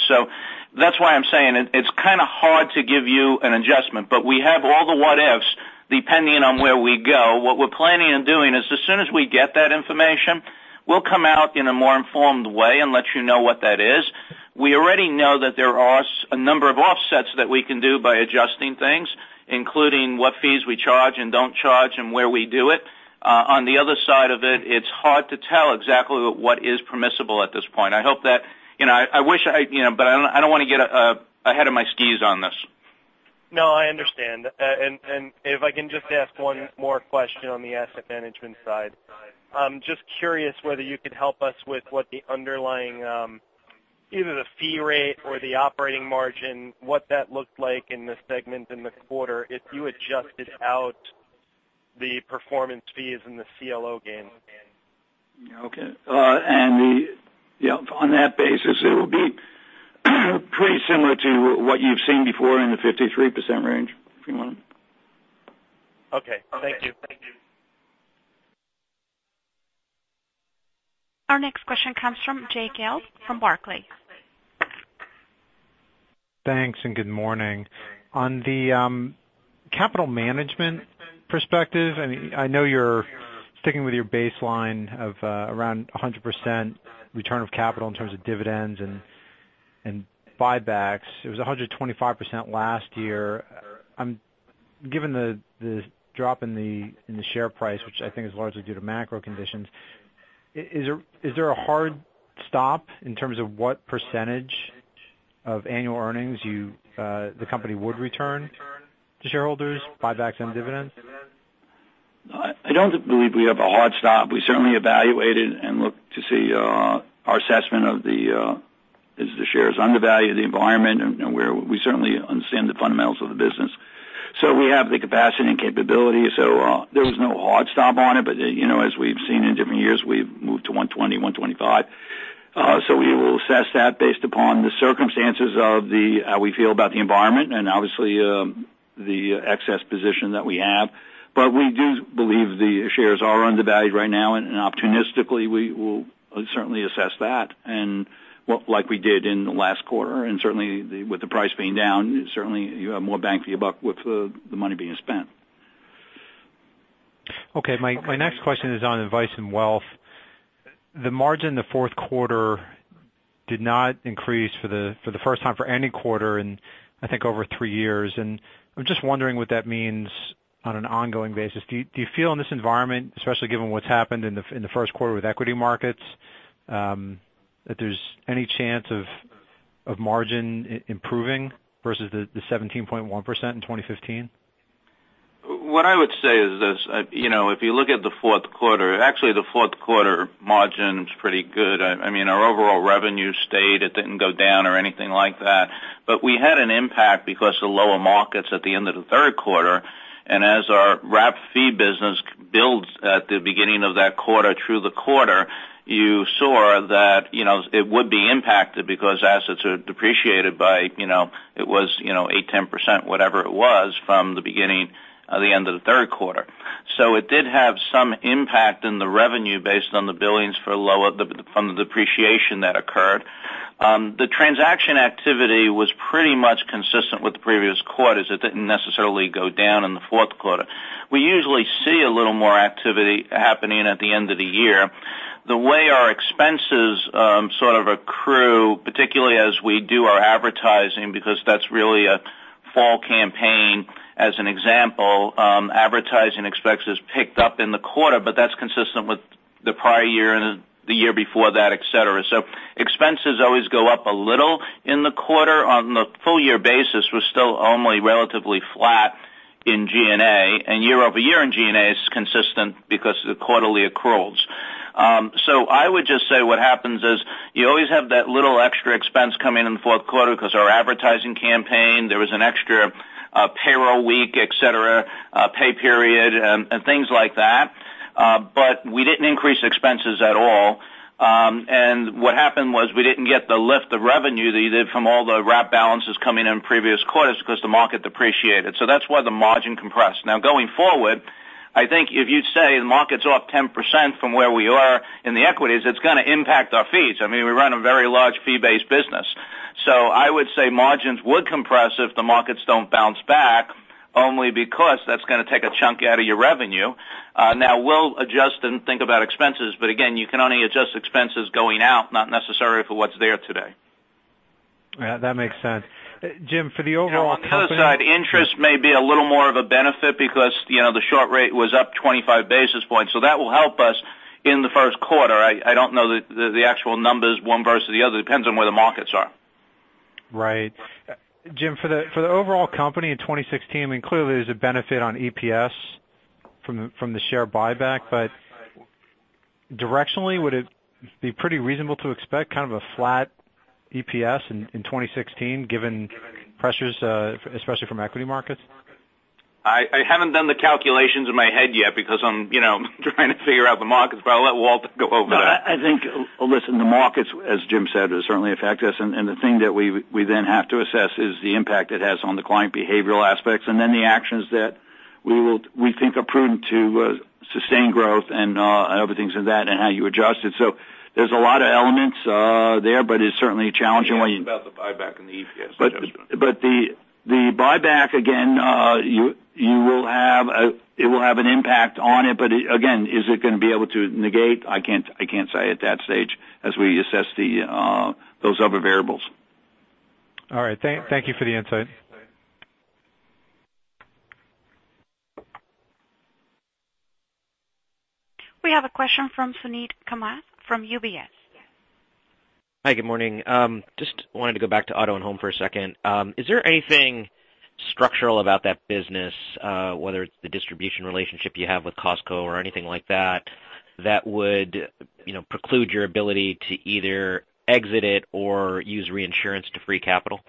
That's why I'm saying it's kind of hard to give you an adjustment. We have all the what-ifs depending on where we go. What we're planning on doing is as soon as we get that information, we'll come out in a more informed way and let you know what that is. We already know that there are a number of offsets that we can do by adjusting things, including what fees we charge and don't charge and where we do it. On the other side of it's hard to tell exactly what is permissible at this point. I don't want to get ahead of my skis on this. No, I understand. If I can just ask one more question on the asset management side. I'm just curious whether you could help us with what the underlying, either the fee rate or the operating margin, what that looked like in the segment in the quarter if you adjusted out the performance fees and the CLO gain. Okay. On that basis, it will be pretty similar to what you've seen before in the 53% range, if you want. Okay, thank you. Our next question comes from Jay Gelb from Barclays. Thanks. Good morning. On the capital management perspective, I know you're sticking with your baseline of around 100% return of capital in terms of dividends and buybacks. It was 125% last year. Given the drop in the share price, which I think is largely due to macro conditions, is there a hard stop in terms of what percentage of annual earnings the company would return to shareholders, buybacks and dividends? I don't believe we have a hard stop. We certainly evaluate it and look to see our assessment of the, is the shares undervalued, the environment, and we certainly understand the fundamentals of the business. We have the capacity and capability. There was no hard stop on it. As we've seen in different years, we've moved to 120, 125. We will assess that based upon the circumstances of how we feel about the environment and obviously, the excess position that we have. We do believe the shares are undervalued right now, and opportunistically, we will certainly assess that like we did in the last quarter, and certainly with the price being down, certainly you have more bang for your buck with the money being spent. Okay. My next question is on advice and wealth. The margin in the fourth quarter did not increase for the first time for any quarter in, I think, over three years. I'm just wondering what that means on an ongoing basis. Do you feel in this environment, especially given what's happened in the first quarter with equity markets, that there's any chance of margin improving versus the 17.1% in 2015? What I would say is this. If you look at the fourth quarter, actually the fourth quarter margin's pretty good. Our overall revenue stayed. It didn't go down or anything like that. We had an impact because the lower markets at the end of the third quarter, and as our wrap fee business builds at the beginning of that quarter through the quarter, you saw that it would be impacted because assets are depreciated by, it was 8%, 10%, whatever it was, from the beginning of the end of the third quarter. It did have some impact in the revenue based on the billings from the depreciation that occurred. The transaction activity was pretty much consistent with the previous quarters. It didn't necessarily go down in the fourth quarter. We usually see a little more activity happening at the end of the year. The way our expenses sort of accrue, particularly as we do our advertising because that's really a fall campaign, as an example, advertising expenses picked up in the quarter, but that's consistent with the prior year and the year before that, et cetera. Expenses always go up a little in the quarter. On the full year basis, we're still only relatively flat in G&A, and year-over-year in G&A is consistent because of the quarterly accruals. I would just say what happens is you always have that little extra expense coming in the fourth quarter because our advertising campaign, there was an extra payroll week, et cetera, pay period, and things like that. We didn't increase expenses at all. What happened was we didn't get the lift of revenue that you did from all the wrap balances coming in previous quarters because the market depreciated. That's why the margin compressed. Going forward, I think if you say the market's up 10% from where we are in the equities, it's going to impact our fees. We run a very large fee-based business. I would say margins would compress if the markets don't bounce back only because that's going to take a chunk out of your revenue. We'll adjust and think about expenses, but again, you can only adjust expenses going out, not necessarily for what's there today. Yeah, that makes sense. Jim, for the overall company. On the plus side, interest may be a little more of a benefit because the short rate was up 25 basis points. That will help us in the first quarter. I don't know the actual numbers one versus the other. It depends on where the markets are. Right. Jim, for the overall company in 2016, clearly there's a benefit on EPS from the share buyback, directionally, would it be pretty reasonable to expect kind of a flat EPS in 2016 given pressures, especially from equity markets? I haven't done the calculations in my head yet because I'm trying to figure out the markets, but I'll let Walt go over that. No, I think, listen, the markets, as Jim said, will certainly affect us, and the thing that we then have to assess is the impact it has on the client behavioral aspects, and then the actions that we think are prudent to sustain growth and other things of that, and how you adjust it. There's a lot of elements there, but it's certainly a challenging one. He asked about the buyback and the EPS suggestion. The buyback, again, it will have an impact on it. Again, is it going to be able to negate? I can't say at that stage as we assess those other variables. All right. Thank you for the insight. We have a question from Suneet Kamath from UBS. Hi, good morning. Just wanted to go back to Auto & Home for a second. Is there anything structural about that business, whether it's the distribution relationship you have with Costco or anything like that would preclude your ability to either exit it or use reinsurance to free capital?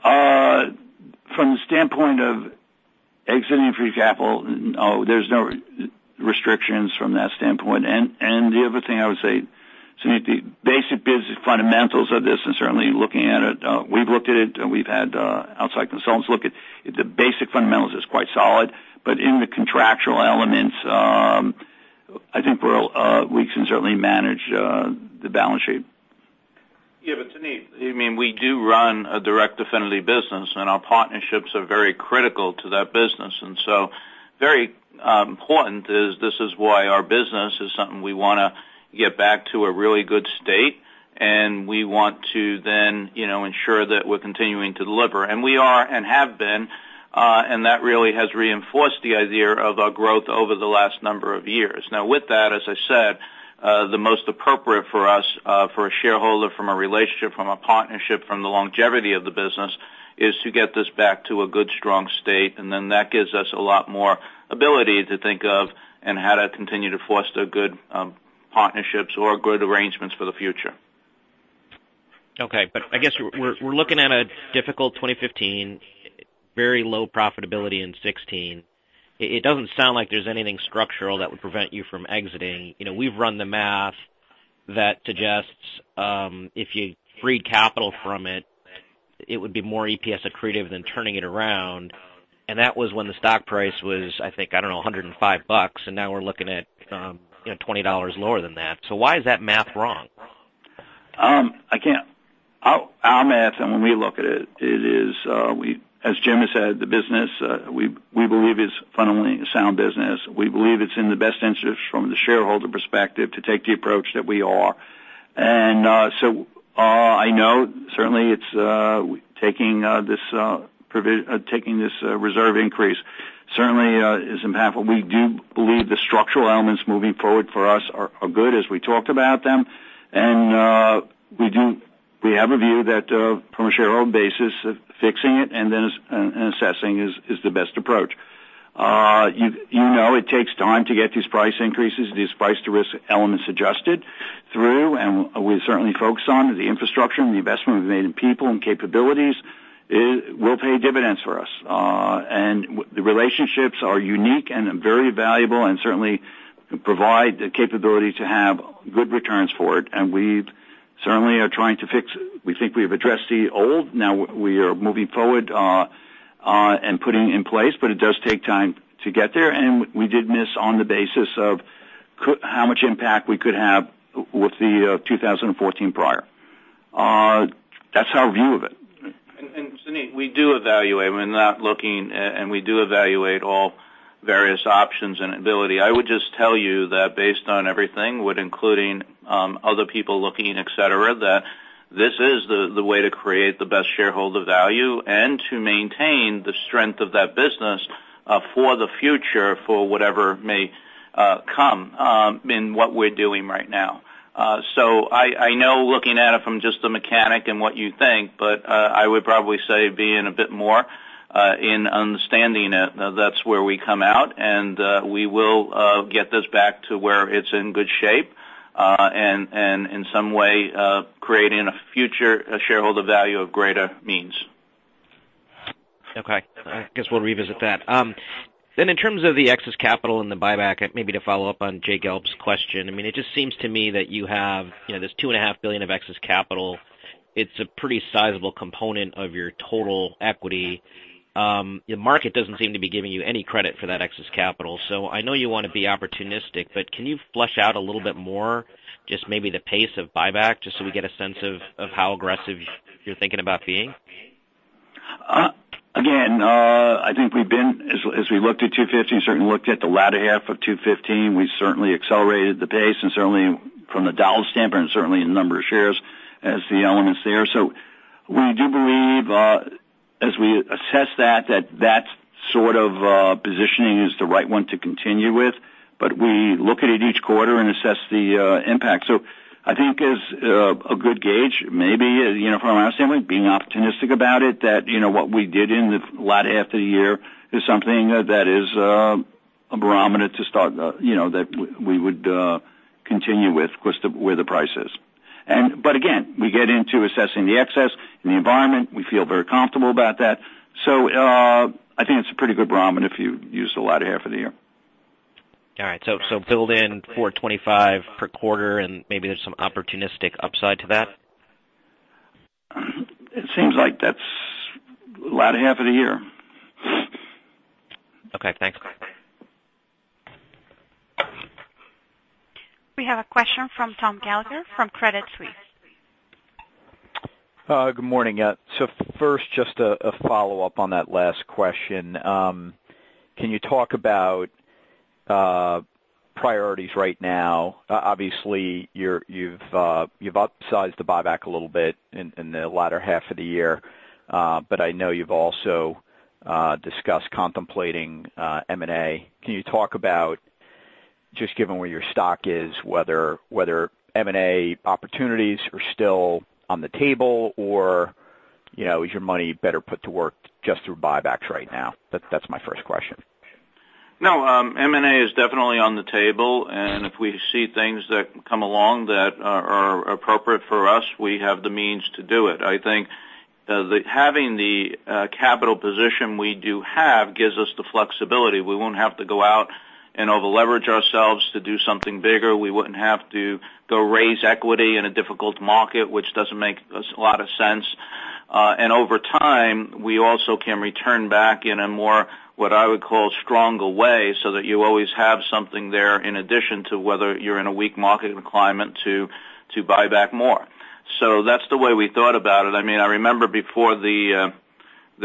From the standpoint of exiting free capital, no, there's no restrictions from that standpoint. The other thing I would say, Suneet, the basic business fundamentals of this, and certainly looking at it, we've looked at it and we've had outside consultants look at it. The basic fundamentals is quite solid, but in the contractual elements, I think we can certainly manage the balance sheet. Yeah. Suneet, we do run a direct affinity business, and our partnerships are very critical to that business. Very important is this is why our business is something we want to get back to a really good state, and we want to then ensure that we're continuing to deliver. We are and have been, and that really has reinforced the idea of our growth over the last number of years. Now with that, as I said, the most appropriate for us, for a shareholder, from a relationship, from a partnership, from the longevity of the business, is to get this back to a good, strong state, and then that gives us a lot more ability to think of and how to continue to foster good partnerships or good arrangements for the future. Okay. I guess we're looking at a difficult 2015, very low profitability in 2016. It doesn't sound like there's anything structural that would prevent you from exiting. We've run the math that suggests if you freed capital from it would be more EPS accretive than turning it around, and that was when the stock price was, I think, I don't know, $105, and now we're looking at $20 lower than that. Why is that math wrong? Our math, and when we look at it, as Jim has said, the business, we believe, is fundamentally a sound business. We believe it's in the best interest from the shareholder perspective to take the approach that we are. I know certainly it's taking this reserve increase certainly is impactful. We do believe the structural elements moving forward for us are good, as we talked about them. We have a view that from a shareholder basis, fixing it and assessing is the best approach. You know it takes time to get these price increases, these price-to-risk elements adjusted through, and we certainly focus on the infrastructure and the investment we've made in people and capabilities will pay dividends for us. The relationships are unique and very valuable and certainly provide the capability to have good returns for it. We certainly are trying to fix it. We think we've addressed the old, now we are moving forward and putting in place, but it does take time to get there. We did miss on the basis of how much impact we could have with the 2014 prior. That's our view of it. Suneet, we do evaluate. We are not looking, and we do evaluate all various options and ability. I would just tell you that based on everything, with including other people looking, et cetera, that this is the way to create the best shareholder value and to maintain the strength of that business for the future, for whatever may come in what we are doing right now. I know looking at it from just the mechanic and what you think, but I would probably say being a bit more in understanding it, that is where we come out, and we will get this back to where it is in good shape, and in some way creating a future shareholder value of greater means. Okay. I guess we will revisit that. In terms of the excess capital and the buyback, maybe to follow up on Jay Gelb's question. It just seems to me that you have this $2.5 billion of excess capital. It is a pretty sizable component of your total equity. The market does not seem to be giving you any credit for that excess capital. I know you want to be opportunistic, but can you flesh out a little bit more just maybe the pace of buyback, just so we get a sense of how aggressive you are thinking about being? Again, I think we have been, as we looked at 2015, certainly looked at the latter half of 2015, we certainly accelerated the pace and certainly from the dollar standpoint, certainly in the number of shares as the elements there. We do believe as we assess that sort of positioning is the right one to continue with. We look at it each quarter and assess the impact. I think as a good gauge, maybe from our standpoint, being opportunistic about it, that what we did in the latter half of the year is something that is a barometer to start that we would continue with, of course, where the price is. Again, we get into assessing the excess and the environment. We feel very comfortable about that. I think it is a pretty good barometer if you use the latter half of the year. All right. Build in $425 per quarter and maybe there is some opportunistic upside to that? It seems like that's latter half of the year. Okay, thanks. We have a question from Tom Gallagher from Credit Suisse. Good morning. First, just a follow-up on that last question. Can you talk about priorities right now? Obviously, you've upsized the buyback a little bit in the latter half of the year, but I know you've also discussed contemplating M&A. Can you talk about Just given where your stock is, whether M&A opportunities are still on the table or is your money better put to work just through buybacks right now? That's my first question. No, M&A is definitely on the table. If we see things that come along that are appropriate for us, we have the means to do it. I think having the capital position we do have gives us the flexibility. We won't have to go out and over-leverage ourselves to do something bigger. We wouldn't have to go raise equity in a difficult market, which doesn't make a lot of sense. Over time, we also can return back in a more, what I would call, stronger way, so that you always have something there in addition to whether you're in a weak market and climate to buy back more. That's the way we thought about it. I remember before the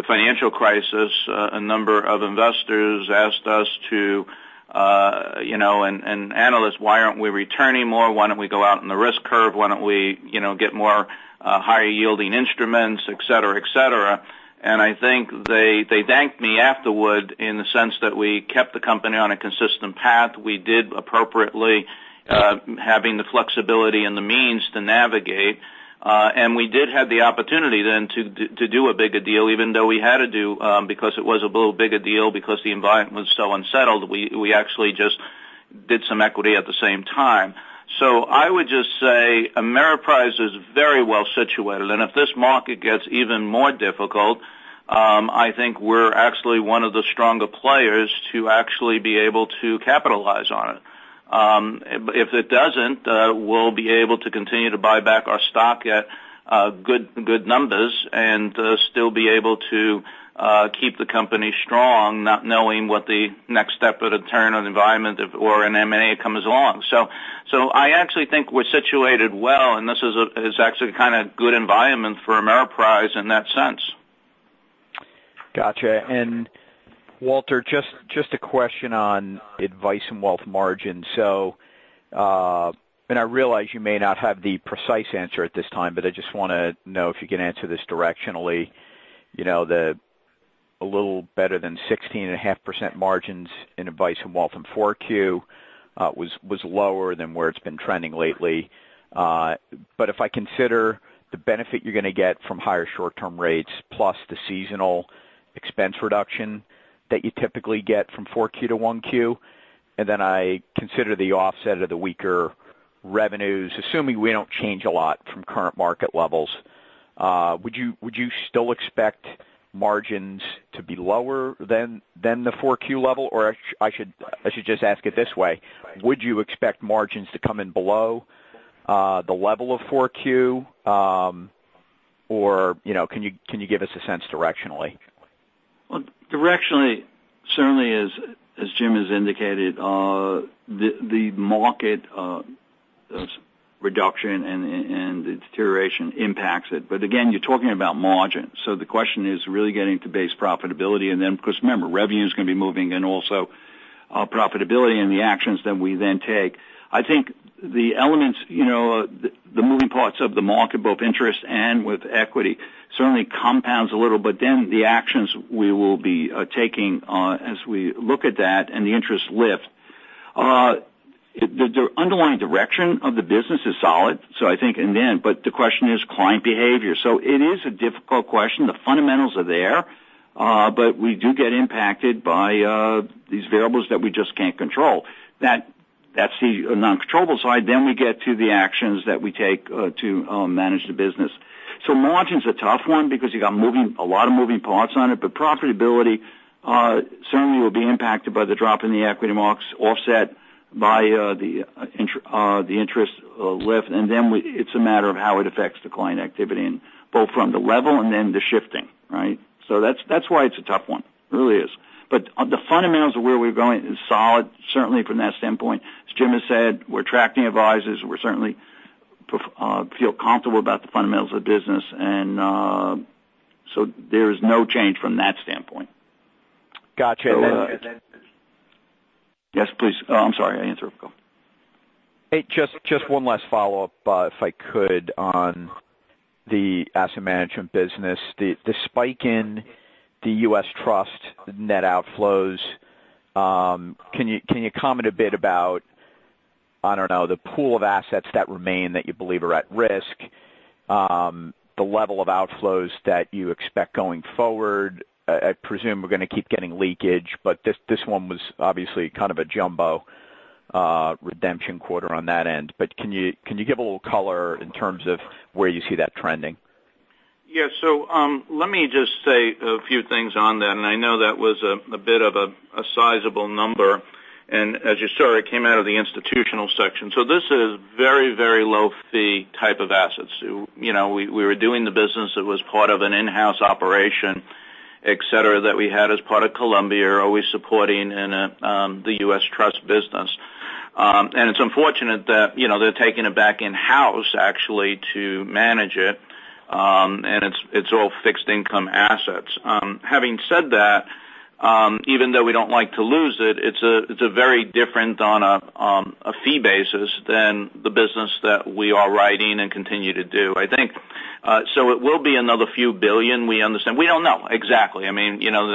financial crisis, a number of investors asked us to, and analysts, why aren't we returning more? Why don't we go out in the risk curve? Why don't we get more higher-yielding instruments, et cetera. I think they thanked me afterward in the sense that we kept the company on a consistent path. We did appropriately, having the flexibility and the means to navigate. We did have the opportunity then to do a bigger deal, even though we had to do, because it was a little bigger deal because the environment was so unsettled. We actually just did some equity at the same time. I would just say Ameriprise is very well situated. If this market gets even more difficult, I think we're actually one of the stronger players to actually be able to capitalize on it. If it doesn't, we'll be able to continue to buy back our stock at good numbers and still be able to keep the company strong, not knowing what the next step of the turn of the environment or an M&A comes along. I actually think we're situated well, and this is actually kind of good environment for Ameriprise in that sense. Got you. Walter, just a question on advice and wealth margins. I realize you may not have the precise answer at this time, but I just want to know if you can answer this directionally. The little better than 16.5% margins in advice and wealth in Q4 was lower than where it's been trending lately. If I consider the benefit you're going to get from higher short-term rates plus the seasonal expense reduction that you typically get from Q4 to Q1, and then I consider the offset of the weaker revenues, assuming we don't change a lot from current market levels, would you still expect margins to be lower than the Q4 level? I should just ask it this way. Would you expect margins to come in below the level of Q4? Can you give us a sense directionally? Directionally, certainly as Jim has indicated, the market reduction and the deterioration impacts it. Again, you're talking about margins. The question is really getting to base profitability. Because remember, revenue is going to be moving and also profitability and the actions that we then take. I think the elements, the moving parts of the market, both interest and with equity, certainly compounds a little. The actions we will be taking as we look at that and the interest lift. The underlying direction of the business is solid. I think, the question is client behavior. It is a difficult question. The fundamentals are there, but we do get impacted by these variables that we just can't control. That's the non-controllable side. We get to the actions that we take to manage the business. Margin's a tough one because you got a lot of moving parts on it, but profitability certainly will be impacted by the drop in the equity marks offset by the interest lift. It's a matter of how it affects the client activity, both from the level and then the shifting, right? That's why it's a tough one. Really is. The fundamentals of where we're going is solid, certainly from that standpoint. As Jim has said, we're attracting advisors. We certainly feel comfortable about the fundamentals of the business, there is no change from that standpoint. Got you. Yes, please. Oh, I'm sorry. I interrupted. Go ahead. Hey, just one last follow-up, if I could, on the asset management business. The spike in the U.S. Trust net outflows, can you comment a bit about, I don't know, the pool of assets that remain that you believe are at risk, the level of outflows that you expect going forward? I presume we're going to keep getting leakage, but this one was obviously kind of a jumbo redemption quarter on that end. Can you give a little color in terms of where you see that trending? Yeah. Let me just say a few things on that. I know that was a bit of a sizable number. As you saw, it came out of the institutional section. This is very low-fee type of assets. We were doing the business that was part of an in-house operation, et cetera, that we had as part of Columbia, are we supporting in the U.S. Trust business. It's unfortunate that they're taking it back in-house actually to manage it, and it's all fixed income assets. Having said that, even though we don't like to lose it's very different on a fee basis than the business that we are writing and continue to do. I think it will be another few billion. We don't know exactly. They're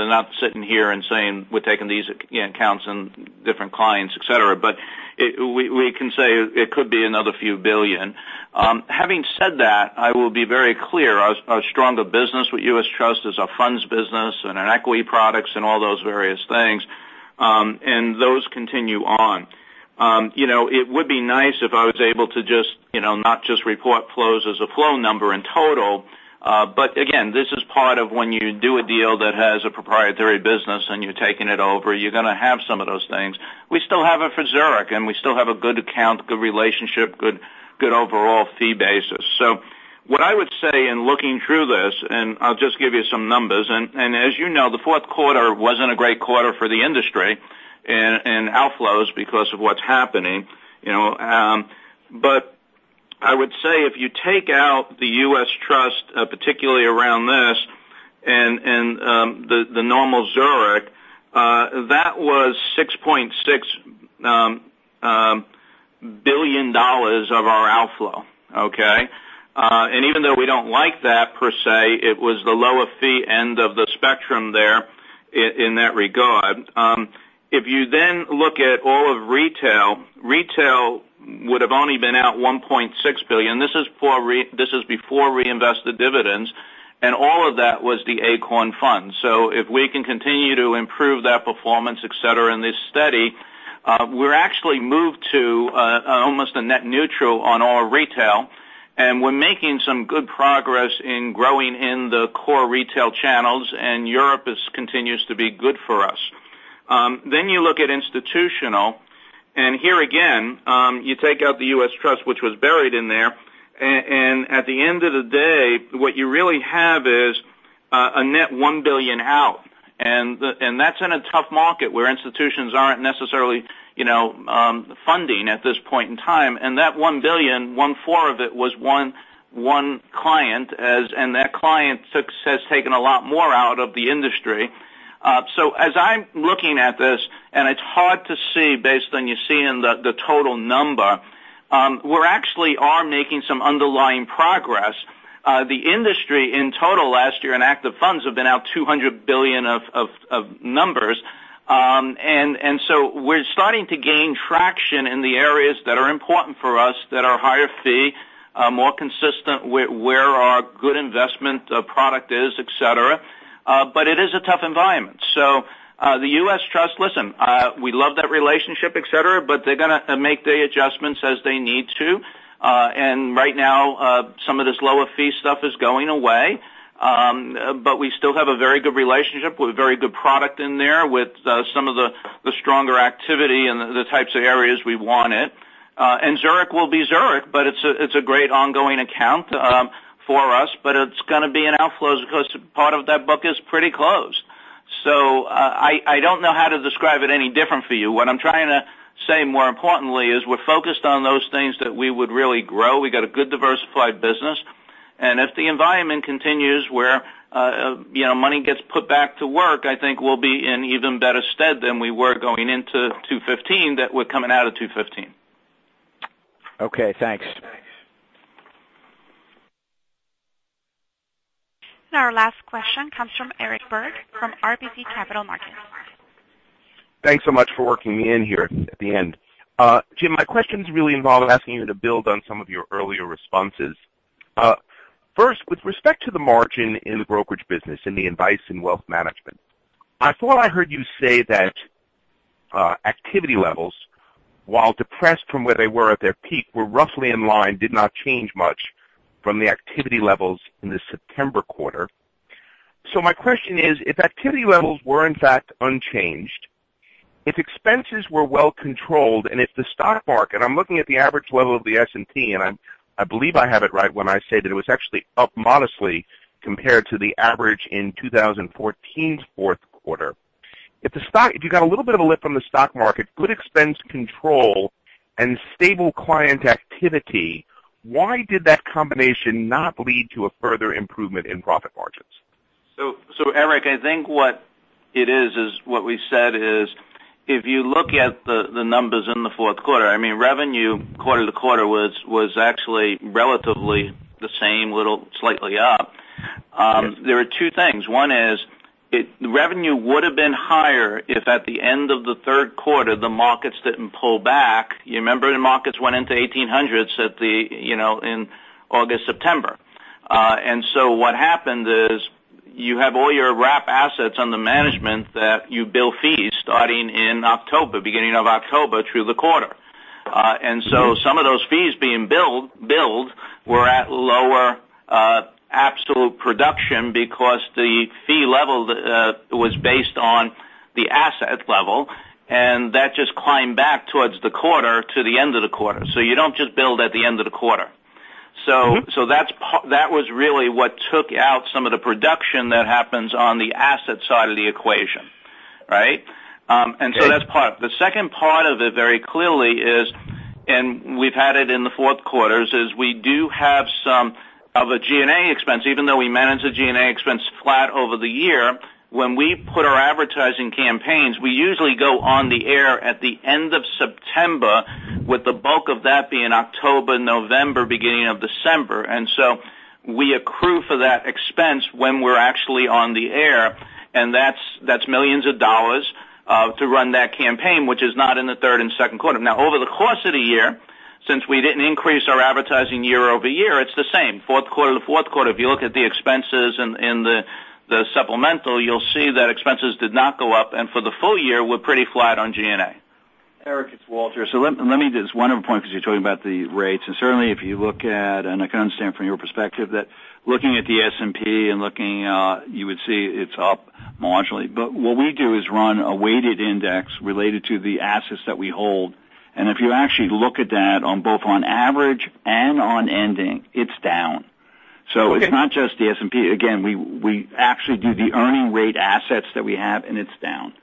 not sitting here and saying we're taking these accounts and different clients, et cetera, but we can say it could be another few billion. Having said that, I will be very clear. Our stronger business with U.S. Trust is our funds business and our equity products and all those various things, and those continue on. It would be nice if I was able to not just report flows as a flow number in total. Again, this is part of when you do a deal that has a proprietary business and you're taking it over, you're going to have some of those things. We still have it for Zurich, and we still have a good account, good relationship, good overall fee basis. What I would say in looking through this, I'll just give you some numbers. As you know, the fourth quarter wasn't a great quarter for the industry in outflows because of what's happening. I would say if you take out the U.S. Trust, particularly around this, and the normal Zurich, that was $6.6 billion of our outflow. Okay? Even though we don't like that per se, it was the lower fee end of the spectrum there in that regard. If you look at all of retail would've only been out $1.6 billion. This is before reinvested dividends, and all of that was the Acorn Fund. If we can continue to improve that performance, et cetera, in this study, we're actually moved to almost a net neutral on all our retail, and we're making some good progress in growing in the core retail channels, and Europe continues to be good for us. You look at institutional, here again, you take out the U.S. Trust, which was buried in there. At the end of the day, what you really have is a net $1 billion out. That's in a tough market where institutions aren't necessarily funding at this point in time. That $1 billion, one-fourth of it was one client, and that client has taken a lot more out of the industry. As I'm looking at this, it's hard to see based on you seeing the total number, we actually are making some underlying progress. The industry in total last year in active funds have been out $200 billion of numbers. We're starting to gain traction in the areas that are important for us, that are higher fee, more consistent where our good investment product is, et cetera. It is a tough environment. The U.S. Trust, listen, we love that relationship, et cetera, but they're going to make the adjustments as they need to. Right now, some of this lower fee stuff is going away. We still have a very good relationship with a very good product in there with some of the stronger activity in the types of areas we want it. Zurich will be Zurich, but it's a great ongoing account for us, but it's going to be an outflow because part of that book is pretty closed. I don't know how to describe it any different for you. What I'm trying to say more importantly, is we're focused on those things that we would really grow. We got a good diversified business. If the environment continues where money gets put back to work, I think we'll be in even better stead than we were going into 2015 than we're coming out of 2015. Okay, thanks. Our last question comes from Eric Berg from RBC Capital Markets. Thanks so much for working me in here at the end. Jim, my questions really involve asking you to build on some of your earlier responses. First, with respect to the margin in the brokerage business, in the advice and wealth management, I thought I heard you say that activity levels, while depressed from where they were at their peak, were roughly in line, did not change much from the activity levels in the September quarter. My question is, if activity levels were in fact unchanged, if expenses were well controlled, and if the stock market, I'm looking at the average level of the S&P, and I believe I have it right when I say that it was actually up modestly compared to the average in 2014's fourth quarter. If you got a little bit of a lift from the stock market, good expense control, and stable client activity, why did that combination not lead to a further improvement in profit margins? Eric, I think what it is what we said is if you look at the numbers in the fourth quarter, revenue quarter to quarter was actually relatively the same, slightly up. Yes. There are two things. One is revenue would have been higher if at the end of the third quarter, the markets didn't pull back. You remember the markets went into 1,800s in August, September. What happened is you have all your wrap assets under management that you bill fees starting in October, beginning of October through the quarter. Some of those fees being billed were at lower absolute production because the fee level was based on the asset level, and that just climbed back towards the quarter to the end of the quarter. You don't just bill at the end of the quarter. That was really what took out some of the production that happens on the asset side of the equation. Right? Yes. That's part. The second part of it very clearly is, and we've had it in the fourth quarters, is we do have some of a G&A expense. Even though we manage the G&A expense flat over the year, when we put our advertising campaigns, we usually go on the air at the end of September. With the bulk of that being October, November, beginning of December. We accrue for that expense when we're actually on the air, and that's millions of dollars to run that campaign, which is not in the third and second quarter. Now, over the course of the year, since we didn't increase our advertising year-over-year, it's the same. Fourth quarter to fourth quarter, if you look at the expenses in the supplemental, you'll see that expenses did not go up, and for the full year, we're pretty flat on G&A. Eric, it's Walter. Let me One other point, because you're talking about the rates, and certainly if you look at, and I can understand from your perspective, that looking at the S&P and looking, you would see it's up marginally. What we do is run a weighted index related to the assets that we hold. If you actually look at that on both on average and on ending, it's down. Okay. It's not just the S&P. Again, we actually do the earning rate assets that we have, and it's down.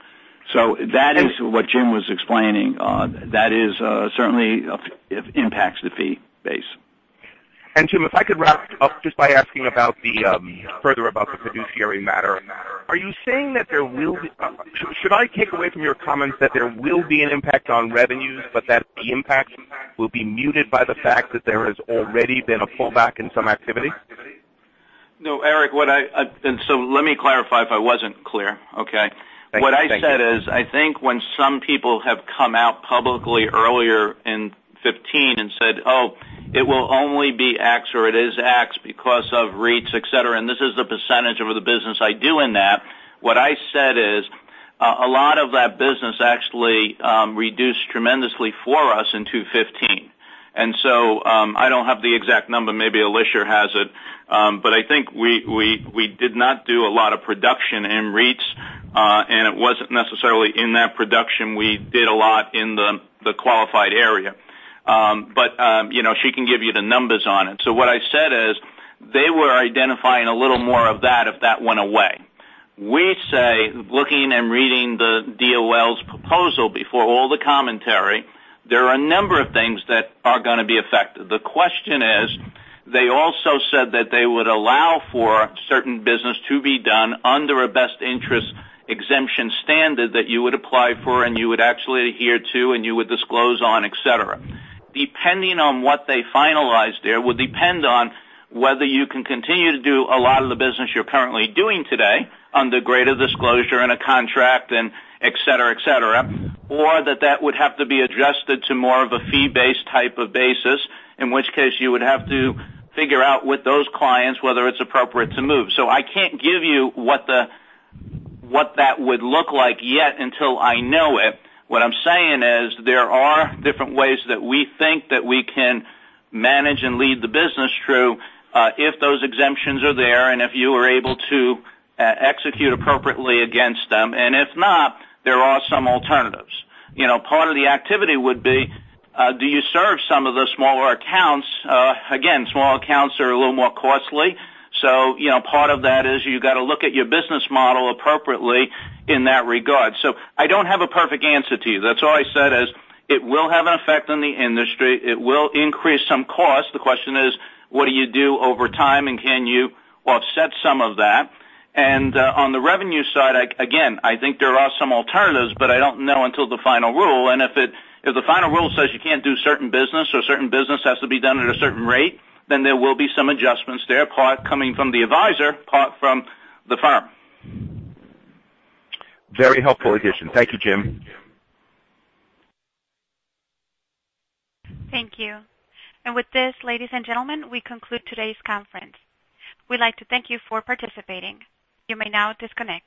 That is what Jim was explaining. That certainly impacts the fee base. Jim, if I could wrap up just by asking further about the fiduciary matter. Should I take away from your comments that there will be an impact on revenues, but that the impact will be muted by the fact that there has already been a pullback in some activity? No, Eric. Let me clarify if I wasn't clear. Okay? Thank you. What I said is, I think when some people have come out publicly earlier in 2015 and said, "Oh, it will only be X, or it is X because of REITs," et cetera, and this is the percentage of the business I do in that. What I said is, a lot of that business actually reduced tremendously for us in 2015. I do not have the exact number. Maybe Alicia has it. I think we did not do a lot of production in REITs, and it was not necessarily in that production. We did a lot in the qualified area. She can give you the numbers on it. What I said is, they were identifying a little more of that if that went away. We say, looking and reading the DOL's proposal before all the commentary, there are a number of things that are going to be affected. The question is, they also said that they would allow for certain business to be done under a best interest exemption standard that you would apply for and you would actually adhere to, and you would disclose on, et cetera. Depending on what they finalized there would depend on whether you can continue to do a lot of the business you are currently doing today under greater disclosure and a contract and et cetera. Or that that would have to be adjusted to more of a fee-based type of basis, in which case you would have to figure out with those clients whether it is appropriate to move. I cannot give you what that would look like yet until I know it. What I am saying is, there are different ways that we think that we can manage and lead the business through, if those exemptions are there and if you are able to execute appropriately against them. If not, there are some alternatives. Part of the activity would be, do you serve some of the smaller accounts? Again, small accounts are a little more costly. Part of that is you got to look at your business model appropriately in that regard. I do not have a perfect answer to you. That is all I said is it will have an effect on the industry. It will increase some costs. The question is, what do you do over time, and can you offset some of that? On the revenue side, again, I think there are some alternatives, but I do not know until the final rule. If the final rule says you cannot do certain business or certain business has to be done at a certain rate, then there will be some adjustments there, part coming from the advisor, part from the firm. Very helpful addition. Thank you, Jim. Thank you. With this, ladies and gentlemen, we conclude today's conference. We'd like to thank you for participating. You may now disconnect.